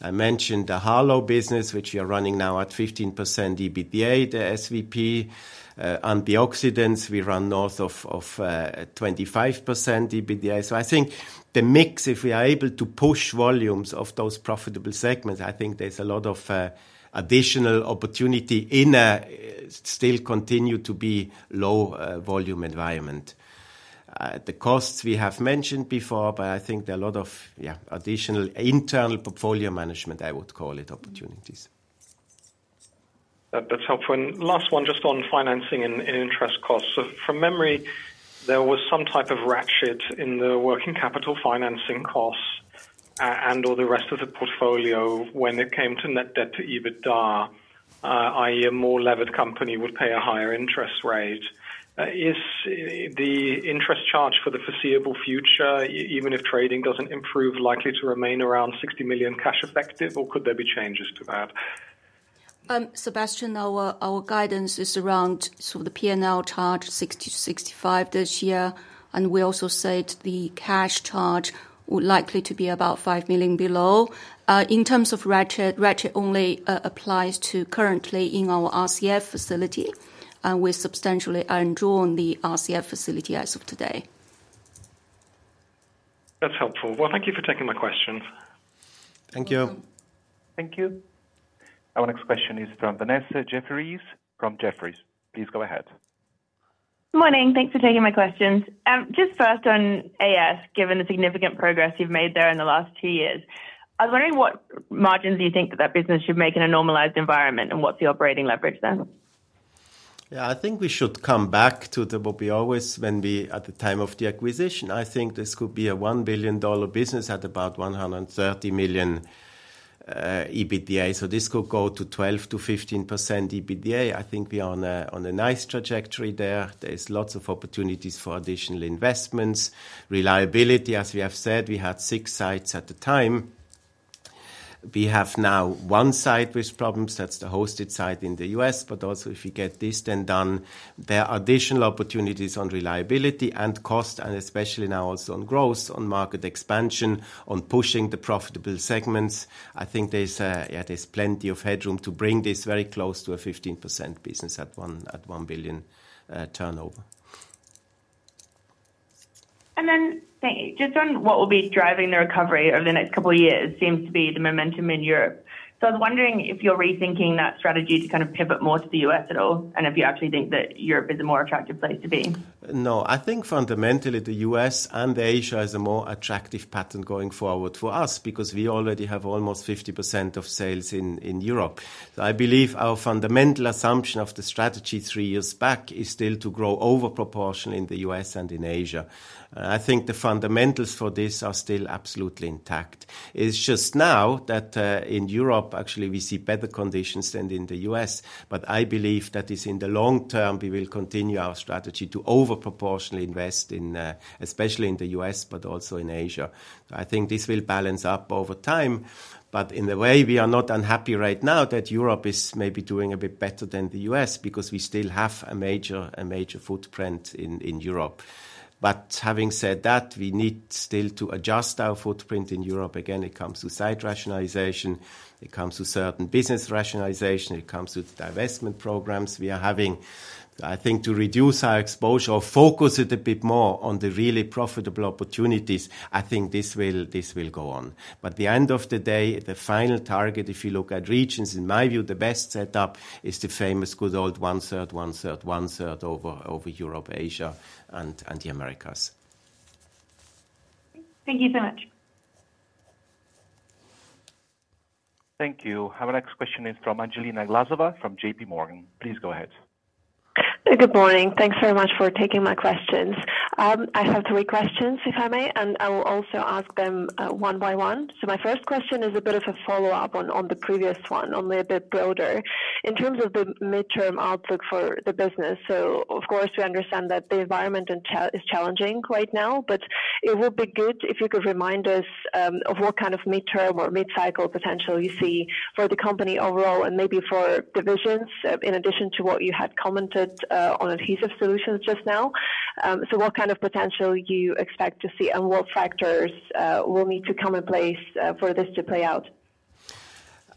I mentioned the Harlow business, which we are running now at 15% EBITDA, the SVP antioxidants, we run north of 25% EBITDA. I think the mix, if we are able to push volumes of those profitable segments, there's a lot of additional opportunity in a still continue to be low volume environment. The costs we have mentioned before, but I think there are a lot of additional internal portfolio management, I would call it, opportunities.
That's helpful. Last one, just on financing and interest costs. From memory, there was some type of ratchet in the working capital financing costs and/or the rest of the portfolio when it came to net debt to EBITDA, i.e., a more levered company would pay a higher interest rate. Is the interest charge for the foreseeable future, even if trading doesn't improve, likely to remain around 60 million cash effective, or could there be changes to that?
Sebastian, our guidance is around the P&L charge of 60 million-65 million this year, and we also say the cash charge would likely to be about 5 million below. In terms of ratchet, ratchet only applies to currently in our RCF facility, and we're substantially undrawn the RCF facility as of today.
That's helpful. Thank you for taking my questions.
Thank you.
Thank you.
Our next question is from Vanessa Jeffriess from Jefferies. Please go ahead.
Morning. Thanks for taking my questions. Just first on AS, given the significant progress you've made there in the last two years, I was wondering what margins do you think that that business should make in a normalized environment, and what's the operating leverage then?
Yeah, I think we should come back to what we always went with at the time of the acquisition. I think this could be a GBP 1 billion business at about 130 million EBITDA. This could go to 12%-15% EBITDA. I think we are on a nice trajectory there. There's lots of opportunities for additional investments. Reliability, as we have said, we had six sites at the time. We have now one site with problems. That's the hosted site in the U.S., but also if we get this then done, there are additional opportunities on reliability and cost, and especially now also on growth, on market expansion, on pushing the profitable segments. I think there's plenty of headroom to bring this very close to a 15% business at 1 billion turnover.
Regarding what will be driving the recovery over the next couple of years, it seems to be the momentum in Europe. I was wondering if you're rethinking that strategy to pivot more to the U.S. at all, and if you actually think that Europe is a more attractive place to be.
No, I think fundamentally the U.S. and Asia is a more attractive pattern going forward for us because we already have almost 50% of sales in Europe. I believe our fundamental assumption of the strategy three years back is still to grow over proportion in the U.S. and in Asia. I think the fundamentals for this are still absolutely intact. It's just now that in Europe, actually, we see better conditions than in the U.S. I believe that in the long term, we will continue our strategy to over proportionally invest in, especially in the U.S., but also in Asia. I think this will balance up over time. In a way, we are not unhappy right now that Europe is maybe doing a bit better than the U.S. because we still have a major footprint in Europe. Having said that, we need still to adjust our footprint in Europe. Again, it comes to site rationalization. It comes to certain business rationalization. It comes to the divestment programs we are having. I think to reduce our exposure or focus a bit more on the really profitable opportunities, I think this will go on. At the end of the day, the final target, if you look at regions, in my view, the best setup is the famous good old 1/3, 1/3, 1/3 over Europe, Asia, and the Americas.
Thank you so much.
Thank you. Our next question is from Angelina Glazova from JPMorgan. Please go ahead.
Good morning. Thanks very much for taking my questions. I have three questions, if I may, and I will also ask them one by one. My first question is a bit of a follow-up on the previous one, only a bit broader, in terms of the midterm outlook for the business. Of course, we understand that the environment is challenging right now, but it would be good if you could remind us of what kind of midterm or mid-cycle potential you see for the company overall and maybe for divisions, in addition to what you had commented on adhesive solutions just now. What kind of potential do you expect to see and what factors will need to come in place for this to play out?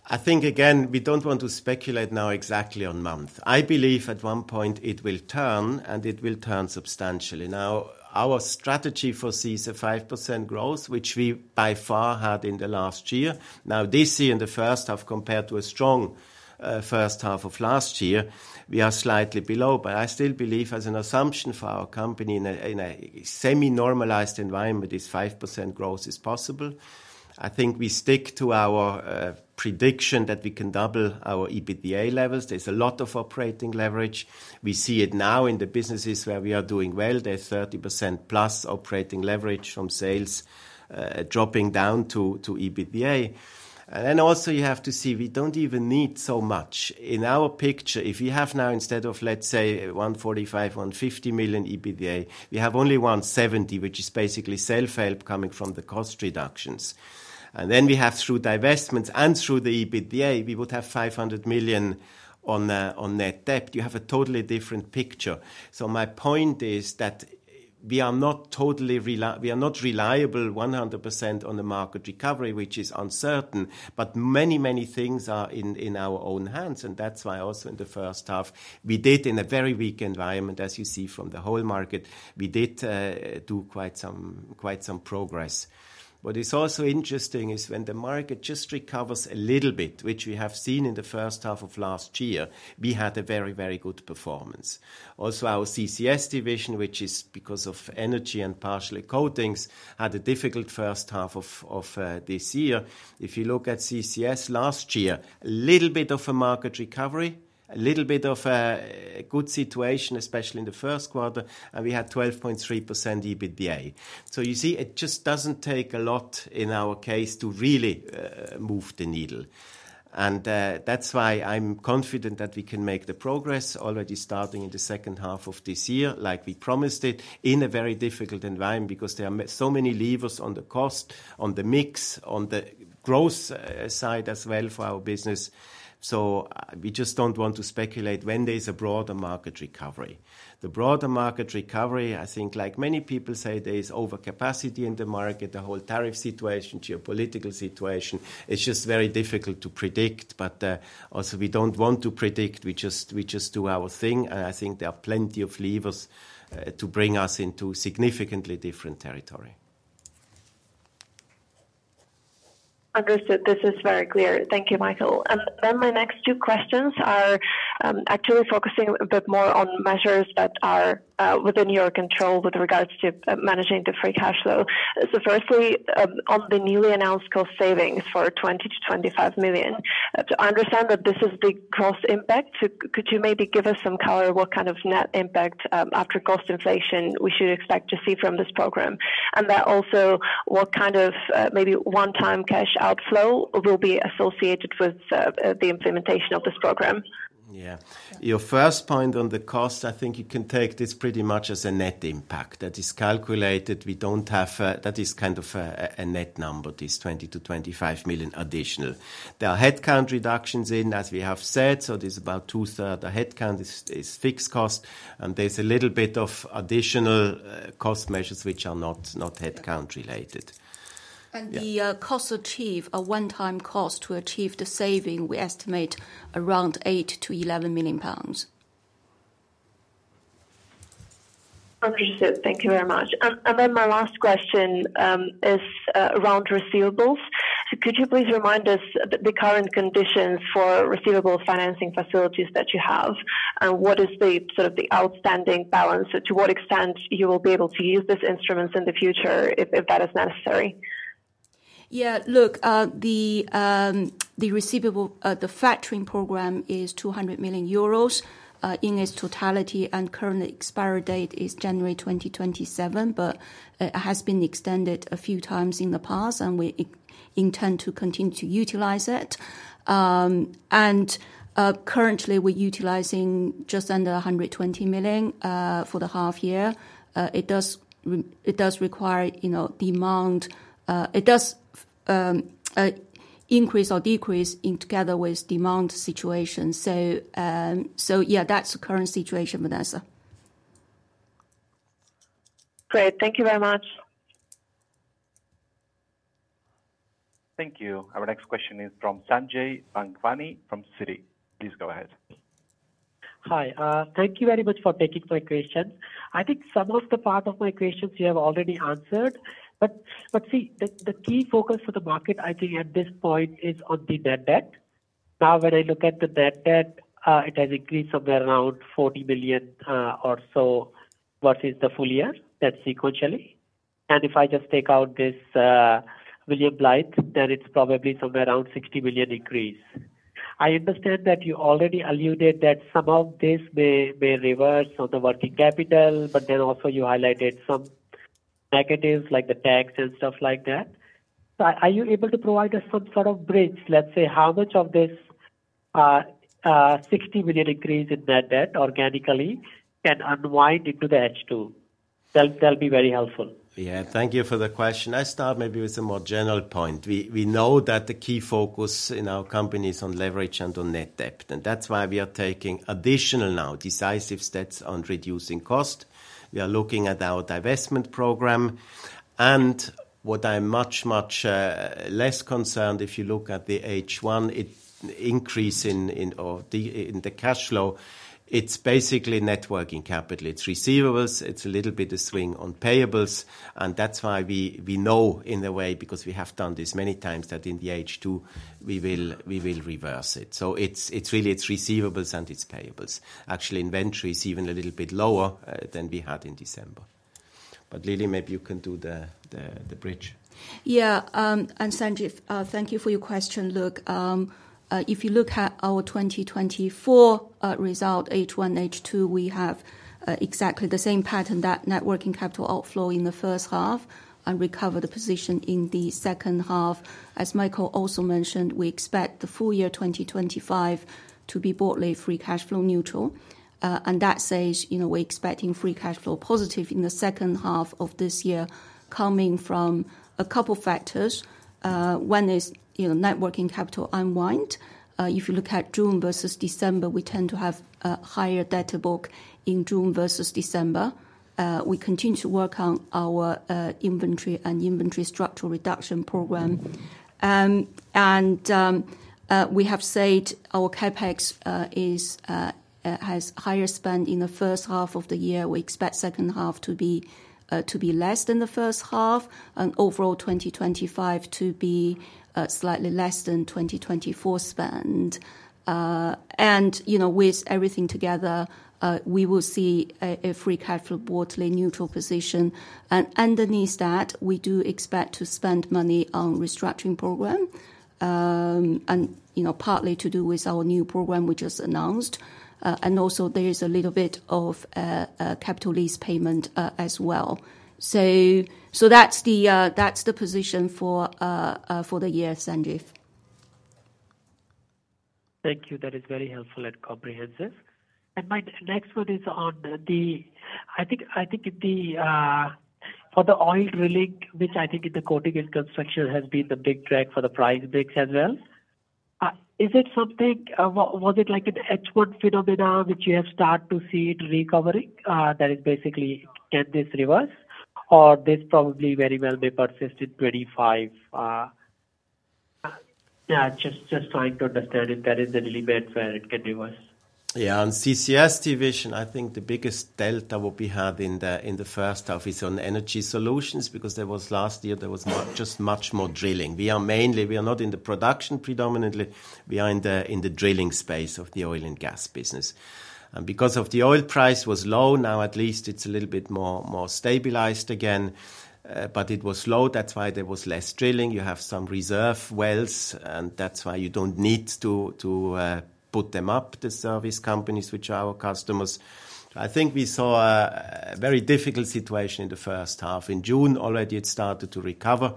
I think, again, we don't want to speculate now exactly on month. I believe at one point it will turn, and it will turn substantially. Our strategy foresees a 5% growth, which we by far had in the last year. This year in the first half, compared to a strong first half of last year, we are slightly below, but I still believe, as an assumption for our company in a semi-normalized environment, this 5% growth is possible. I think we stick to our prediction that we can double our EBITDA levels. There's a lot of operating leverage. We see it now in the businesses where we are doing well. There's 30% plus operating leverage from sales dropping down to EBITDA. You have to see we don't even need so much. In our picture, if we have now instead of, let's say, 145 million, 150 million EBITDA, we have only 170 million, which is basically self-help coming from the cost reductions. Through divestments and through the EBITDA, we would have 500 million on net debt. You have a totally different picture. My point is that we are not totally reliable 100% on the market recovery, which is uncertain, but many, many things are in our own hands. That's why also in the first half, we did in a very weak environment, as you see from the whole market, we did do quite some progress. What is also interesting is when the market just recovers a little bit, which we have seen in the first half of last year, we had a very, very good performance. Also, our CCS division, which is because of energy and partially coatings, had a difficult first half of this year. If you look at CCS last year, a little bit of a market recovery, a little bit of a good situation, especially in the first quarter, and we had 12.3% EBITDA. You see, it just doesn't take a lot in our case to really move the needle. That's why I'm confident that we can make the progress already starting in the second half of this year, like we promised it, in a very difficult environment because there are so many levers on the cost, on the mix, on the growth side as well for our business. We just don't want to speculate when there's a broader market recovery. The broader market recovery, I think, like many people say, there's overcapacity in the market, the whole tariff situation, geopolitical situation, it's just very difficult to predict. We don't want to predict. We just do our thing. I think there are plenty of levers to bring us into significantly different territory.
Understood. This is very clear. Thank you, Michael. My next two questions are actually focusing a bit more on measures that are within your control with regards to managing the free cash flow. Firstly, on the newly announced cost savings for 20 million-25 million, to understand that this is the cost impact, could you maybe give us some color what kind of net impact after cost inflation we should expect to see from this program? Also, what kind of maybe one-time cash outflow will be associated with the implementation of this program?
Yeah, your first point on the cost, I think you can take this pretty much as a net impact that is calculated. We don't have, that is kind of a net number, this 20 million-25 million additional. There are headcount reductions in, as we have said, so there's about 2/3 of headcount is fixed cost, and there's a little bit of additional cost measures which are not headcount related.
The costs achieved are one-time costs to achieve the saving. We estimate around 8 million-11 million pounds.
Understood. Thank you very much. My last question is around receivables. Could you please remind us the current conditions for receivable financing facilities that you have, and what is the sort of the outstanding balance? To what extent will you be able to use these instruments in the future if it's necessary?
Yeah, look, the receivable, the factoring program is GBP 200 million in its totality, and the current expiry date is January 2027. It has been extended a few times in the past, and we intend to continue to utilize it. Currently, we're utilizing just under 120 million for the half year. It does require, you know, demand, it does increase or decrease together with demand situations. That's the current situation, Vanessa.
Great. Thank you very much.
Thank you. Our next question is from Sanjay Bhagwani from Citi. Please go ahead.
Hi, thank you very much for taking my question. I think some of the parts of my questions you have already answered, but see, the key focus for the market, I think, at this point is on the net debt. Now, when I look at the net debt, it has increased somewhere around 40 million or so versus the full year, that's sequentially. If I just take out this William Blythe, then it's probably somewhere around 60 million increase. I understand that you already alluded that some of this may reverse on the working capital, but you also highlighted some negatives like the tax and stuff like that. Are you able to provide us some sort of bridge, let's say how much of this 60 million increase in net debt organically can unwind into the H2? That would be very helpful.
Yeah, thank you for the question. I start maybe with a more general point. We know that the key focus in our company is on leverage and on net debt, and that's why we are taking additional now decisive steps on reducing cost. We are looking at our divestment program. What I'm much, much less concerned, if you look at the H1, it increases in the cash flow, it's basically networking capital. It's receivables, it's a little bit of swing on payables, and that's why we know in a way, because we have done this many times, that in the H2, we will reverse it. It's really, it's receivables and it's payables. Actually, inventory is even a little bit lower than we had in December. Lily, maybe you can do the bridge.
Yeah, and Sanjay, thank you for your question. Look, if you look at our 2024 result, H1, H2, we have exactly the same pattern, that networking capital outflow in the first half, and recover the position in the second half. As Michael also mentioned, we expect the full year 2025 to be broadly free cash flow neutral. That says, you know, we're expecting free cash flow positive in the second half of this year coming from a couple of factors. One is, you know, networking capital unwind. If you look at June versus December, we tend to have a higher debt to book in June versus December. We continue to work on our inventory and inventory structural reduction program. We have said our CapEx has higher spend in the first half of the year. We expect the second half to be less than the first half, and overall 2025 to be slightly less than 2024 spend. With everything together, we will see a free cash flow broadly neutral position. Underneath that, we do expect to spend money on the restructuring program, and, you know, partly to do with our new program we just announced. There is a little bit of capital lease payment as well. That's the position for the year, Sanjay.
Thank you. That is very helpful and comprehensive. My next one is on the, I think, for the oil relic, which I think in the coatings & construction has been the big drag for the price mix as well. Is it something, was it like an H1 phenomenon which you have started to see it recovering that is basically, can this reverse? Or this probably very well may persist in 2025? Just trying to understand if there is an element where it can reverse.
Yeah, on CCS division, I think the biggest delta we have in the first half is on energy solutions because last year, there was just much more drilling. We are mainly, we are not in the production predominantly. We are in the drilling space of the oil and gas business. Because the oil price was low, now at least it's a little bit more stabilized again. It was low, that's why there was less drilling. You have some reserve wells, and that's why you don't need to put them up, the service companies, which are our customers. I think we saw a very difficult situation in the first half. In June, already it started to recover.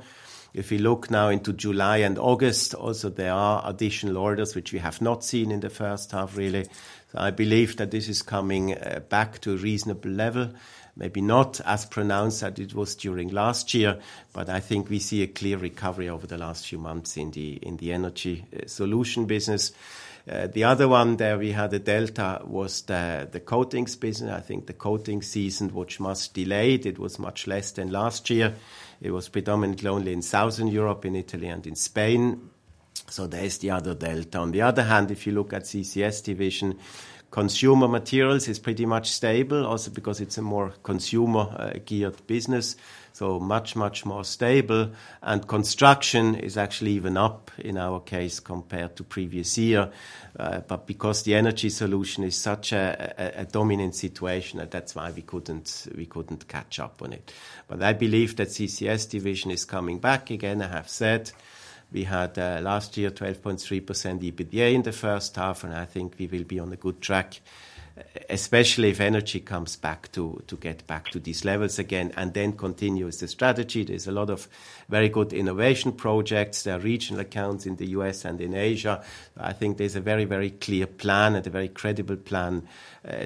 If you look now into July and August, also there are additional orders which we have not seen in the first half really. I believe that this is coming back to a reasonable level, maybe not as pronounced as it was during last year, but I think we see a clear recovery over the last few months in the energy solution business. The other one that we had a delta was the coatings business. I think the coating season was much delayed, it was much less than last year. It was predominantly only in Southern Europe, in Italy, and in Spain. There's the other delta. On the other hand, if you look at CCS division, consumer materials is pretty much stable, also because it's a more consumer-geared business. Much, much more stable. Construction is actually even up in our case compared to the previous year. Because the energy solution is such a dominant situation, that's why we couldn't catch up on it. I believe that CCS division is coming back again. I have said we had last year 12.3% EBITDA in the first half, and I think we will be on a good track, especially if energy comes back to get back to these levels again and then continue as the strategy. There's a lot of very good innovation projects. There are regional accounts in the U.S. and in Asia. I think there's a very, very clear plan and a very credible plan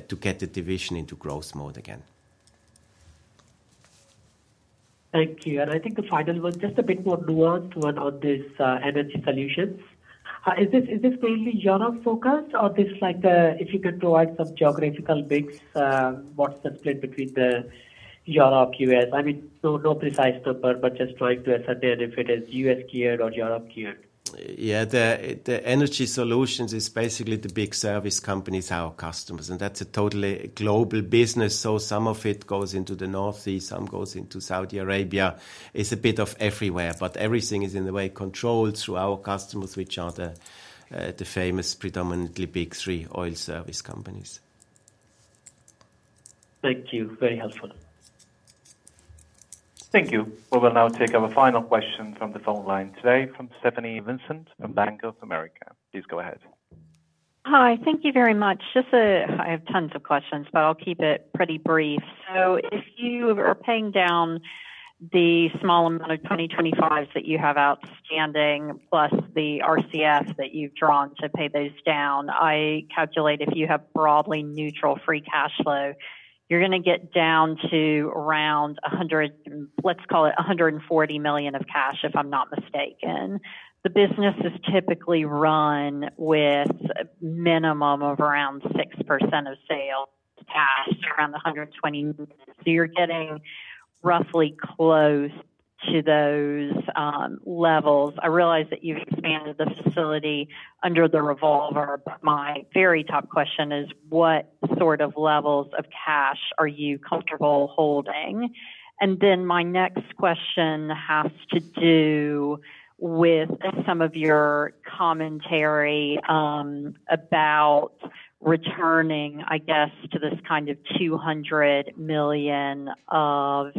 to get the division into growth mode again.
Thank you. I think the final one, just a bit more nuanced one on these energy solutions. Is this mainly Europe focused or, if you could provide some geographical mix, what's the split between the Europe-U.S.? Maybe no precise number, just trying to ascertain if it is U.S.-geared or Europe-geared.
Yeah, the energy solutions is basically the big service companies, our customers. It's a totally global business. Some of it goes into the North Sea, some goes into Saudi Arabia. It's a bit of everywhere, but everything is in a way controlled through our customers, which are the famous predominantly big three oil service companies.
Thank you. Very helpful.
Thank you. We will now take our final question from the phone line today from Stephanie Vincent from Bank of America. Please go ahead.
Hi, thank you very much. I have tons of questions, but I'll keep it pretty brief. If you are paying down the small amount of 2025 that you have outstanding, plus the RCF that you've drawn to pay those down, I calculate if you have broadly neutral free cash flow, you're going to get down to around 100 million, let's call it 140 million of cash, if I'm not mistaken. The business is typically run with a minimum of around 6% of sales cash, around 120 million. You're getting roughly close to those levels. I realize that you've expanded the facility under the revolver. My very top question is, what sort of levels of cash are you comfortable holding? My next question has to do with some of your commentary about returning, I guess, to this kind of 200 million of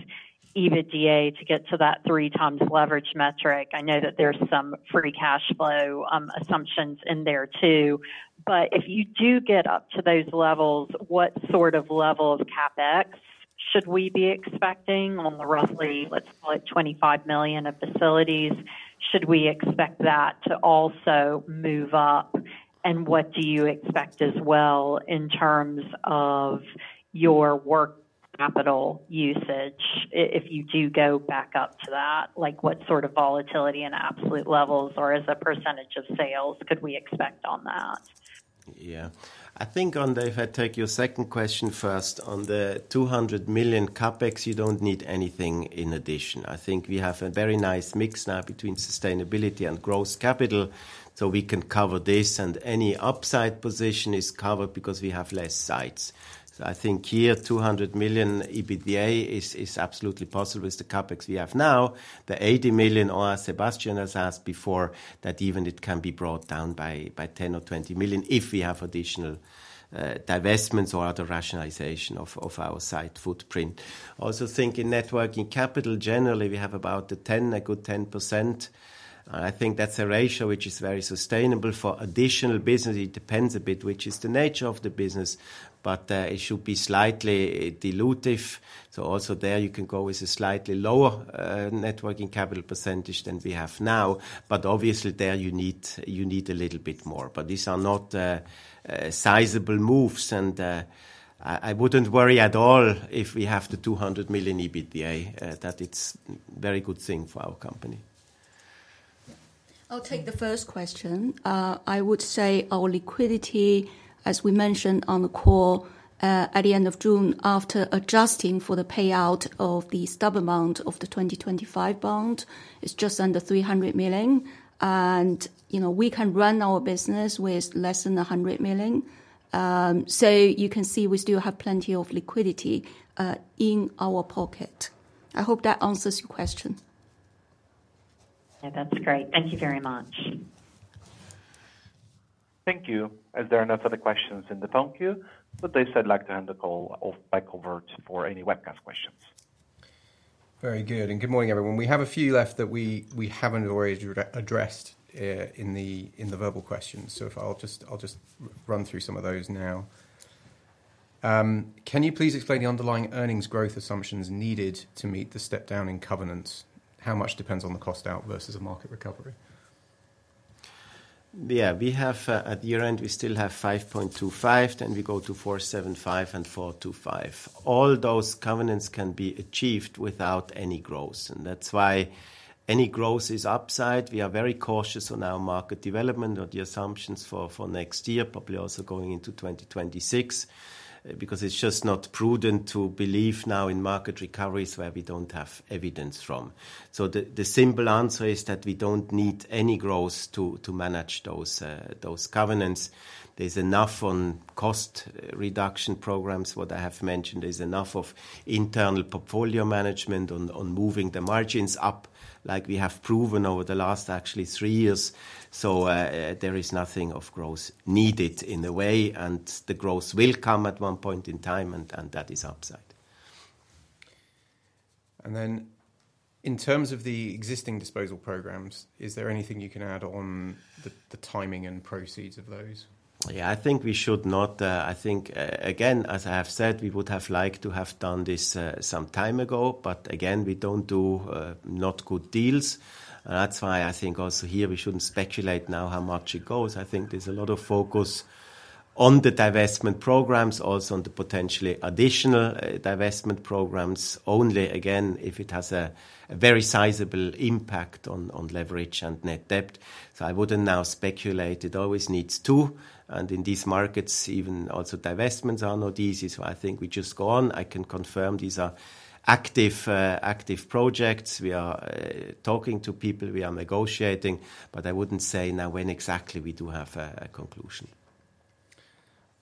EBITDA to get to that 3x leverage metric. I know that there's some free cash flow assumptions in there too. If you do get up to those levels, what sort of level of CapEx should we be expecting on the roughly, let's call it 25 million of facilities? Should we expect that to also move up? What do you expect as well in terms of your working capital usage? If you do go back up to that, like what sort of volatility and absolute levels or as a percentage of sales could we expect on that?
Yeah, I think on the, if I take your second question first, on the 200 million CapEx, you don't need anything in addition. I think we have a very nice mix now between sustainability and gross capital, so we can cover this, and any upside position is covered because we have less sites. I think here 200 million EBITDA is absolutely possible with the CapEx we have now. The 80 million or as Sebastian has asked before, that even it can be brought down by 10 million or 20 million if we have additional divestments or other rationalization of our site footprint. Also, thinking net working capital, generally we have about a 10%, a good 10%. I think that's a ratio which is very sustainable for additional business. It depends a bit which is the nature of the business, but it should be slightly dilutive. Also there you can go with a slightly lower net working capital percentage than we have now, but obviously there you need a little bit more. These are not sizable moves, and I wouldn't worry at all if we have the 200 million EBITDA, that it's a very good thing for our company.
I'll take the first question. I would say our liquidity, as we mentioned on the call, at the end of June, after adjusting for the payout of the stub amount of the 2025 bond, is just under 300 million, and you know we can run our business with less than 100 million. You can see we still have plenty of liquidity in our pocket. I hope that answers your question.
Yeah, that's great. Thank you very much.
Thank you. If there are no further questions in the phone queue, with this, I'd like to hand the call back over to any webcast questions.
Very good, and good morning everyone. We have a few left that we haven't already addressed in the verbal questions, so I'll just run through some of those now. Can you please explain the underlying earnings growth assumptions needed to meet the step-down in covenants? How much depends on the cost out versus a market recovery?
Yeah, we have at year end, we still have 5.25, then we go to 4.75 and 4.25. All those covenants can be achieved without any growth, and that's why any growth is upside. We are very cautious on our market development or the assumptions for next year, probably also going into 2026, because it's just not prudent to believe now in market recoveries where we don't have evidence from. The simple answer is that we don't need any growth to manage those covenants. There's enough on cost reduction programs, what I have mentioned. There's enough of internal portfolio management on moving the margins up, like we have proven over the last actually three years. There is nothing of growth needed in a way, and the growth will come at one point in time, and that is upside.
In terms of the existing disposal programs, is there anything you can add on the timing and proceeds of those?
I think again, as I have said, we would have liked to have done this some time ago, but we don't do not good deals, and that's why I think also here we shouldn't speculate now how much it goes. I think there's a lot of focus on the divestment programs, also on the potentially additional divestment programs, only again if it has a very sizable impact on leverage and net debt. I wouldn't now speculate. It always needs to, and in these markets, even also divestments are not easy. I think we just go on. I can confirm these are active projects. We are talking to people, we are negotiating, but I wouldn't say now when exactly we do have a conclusion.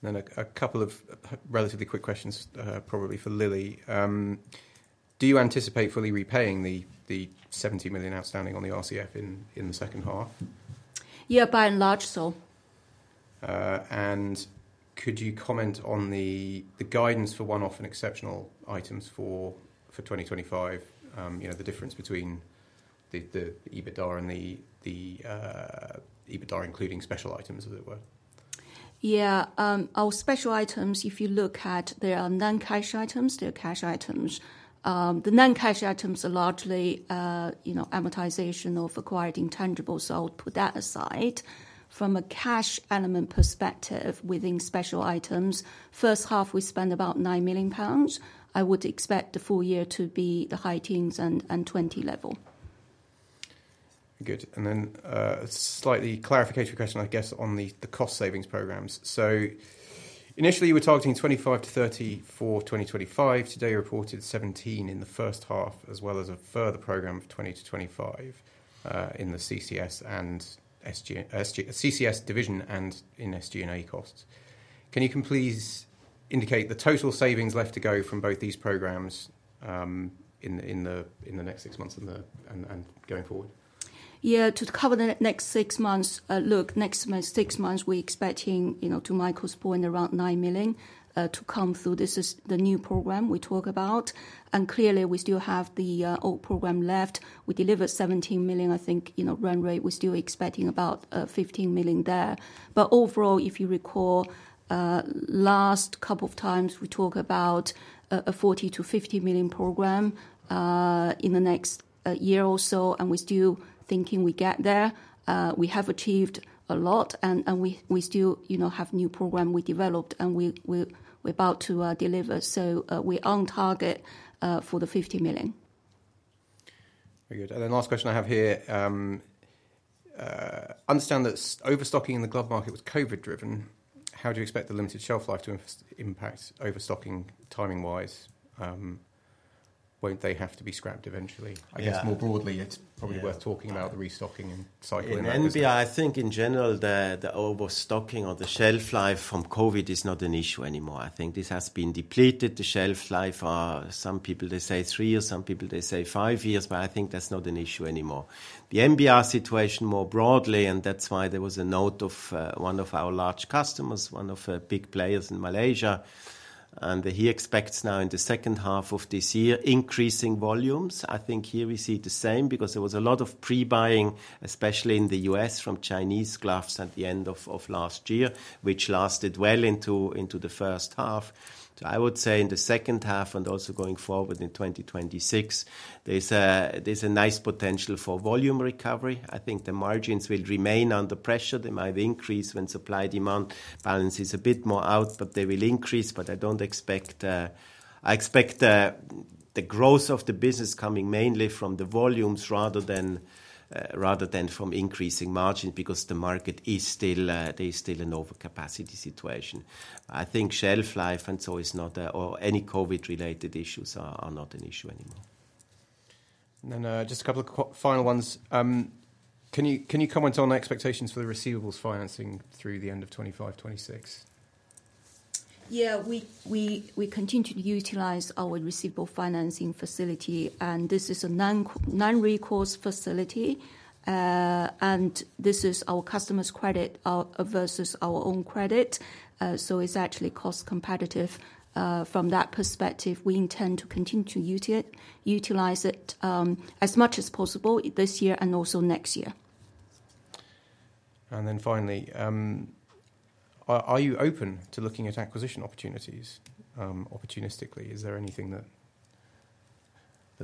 A couple of relatively quick questions, probably for Lily. Do you anticipate fully repaying the 70 million outstanding on the RCF in the second half?
Yeah, by and large, so.
Could you comment on the guidance for one-off and exceptional items for 2025, you know the difference between the EBITDA and the EBITDA including special items, as it were?
Yeah, our special items, if you look at, there are non-cash items, there are cash items. The non-cash items are largely amortization of acquired intangibles, so I'll put that aside. From a cash element perspective within special items, first half we spend about 9 million pounds. I would expect the full year to be the high teens and 20 million level.
Good, and then a slight clarification question, I guess, on the cost savings programs. Initially we're targeting 25 million-30 million for 2025. Today reported 17 million in the first half, as well as a further program of 20 million-25 million in the CCS division and in SG&A costs. Can you please indicate the total savings left to go from both these programs in the next six months and going forward?
Yeah, to cover the next six months, look, next six months we're expecting, to Michael's point, around 9 million to come through. This is the new program we talk about, and clearly we still have the old program left. We delivered 17 million, I think, you know, run rate. We're still expecting about 15 million there, but overall, if you recall, last couple of times we talk about a 40 million-50 million program in the next year or so, and we're still thinking we get there. We have achieved a lot, and we still have a new program we developed, and we're about to deliver, so we're on target for the 50 million.
Very good, and then last question I have here. Understand that overstocking in the glove market was COVID-driven. How do you expect the limited shelf life to impact overstocking timing-wise? Won't they have to be scrapped eventually? I guess more broadly it's probably worth talking about the restocking and cycling.
In NBR, I think in general the overstocking or the shelf life from COVID is not an issue anymore. I think this has been depleted. The shelf life for some people, they say three years, some people they say five years, but I think that's not an issue anymore. The NBR situation more broadly, and that's why there was a note of one of our large customers, one of the big players in Malaysia, and he expects now in the second half of this year increasing volumes. I think here we see the same because there was a lot of pre-buying, especially in the U.S. from Chinese gloves at the end of last year, which lasted well into the first half. I would say in the second half and also going forward in 2026, there's a nice potential for volume recovery. I think the margins will remain under pressure. They might increase when supply-demand balance is a bit more out, but they will increase, but I don't expect, I expect the growth of the business coming mainly from the volumes rather than from increasing margins because the market is still, there's still an overcapacity situation. I think shelf life and so is not, or any COVID-related issues are not an issue anymore.
Can you comment on expectations for the receivables financing through the end of 2025, 2026?
Yeah, we continue to utilize our receivable financing facility, and this is a non-recourse facility, and this is our customer's credit versus our own credit, so it's actually cost-competitive. From that perspective, we intend to continue to utilize it as much as possible this year and also next year.
Are you open to looking at acquisition opportunities opportunistically? Is there anything that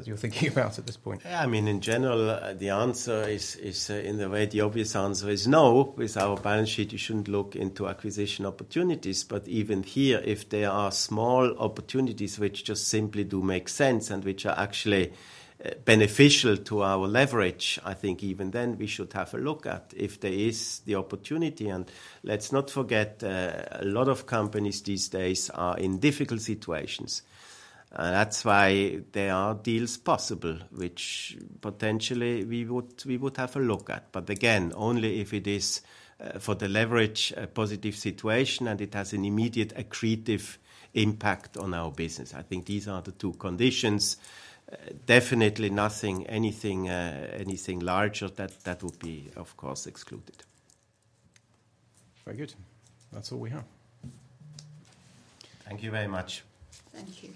you're thinking about at this point?
Yeah, I mean in general the answer is in the way the obvious answer is no. With our balance sheet, you shouldn't look into acquisition opportunities, but even here if there are small opportunities which just simply do make sense and which are actually beneficial to our leverage, I think even then we should have a look at if there is the opportunity. Let's not forget a lot of companies these days are in difficult situations, and that's why there are deals possible which potentially we would have a look at, but again only if it is for the leverage positive situation and it has an immediate accretive impact on our business. I think these are the two conditions. Definitely nothing, anything larger that would be of course excluded.
Very good. That's all we have.
Thank you very much.
Thank you.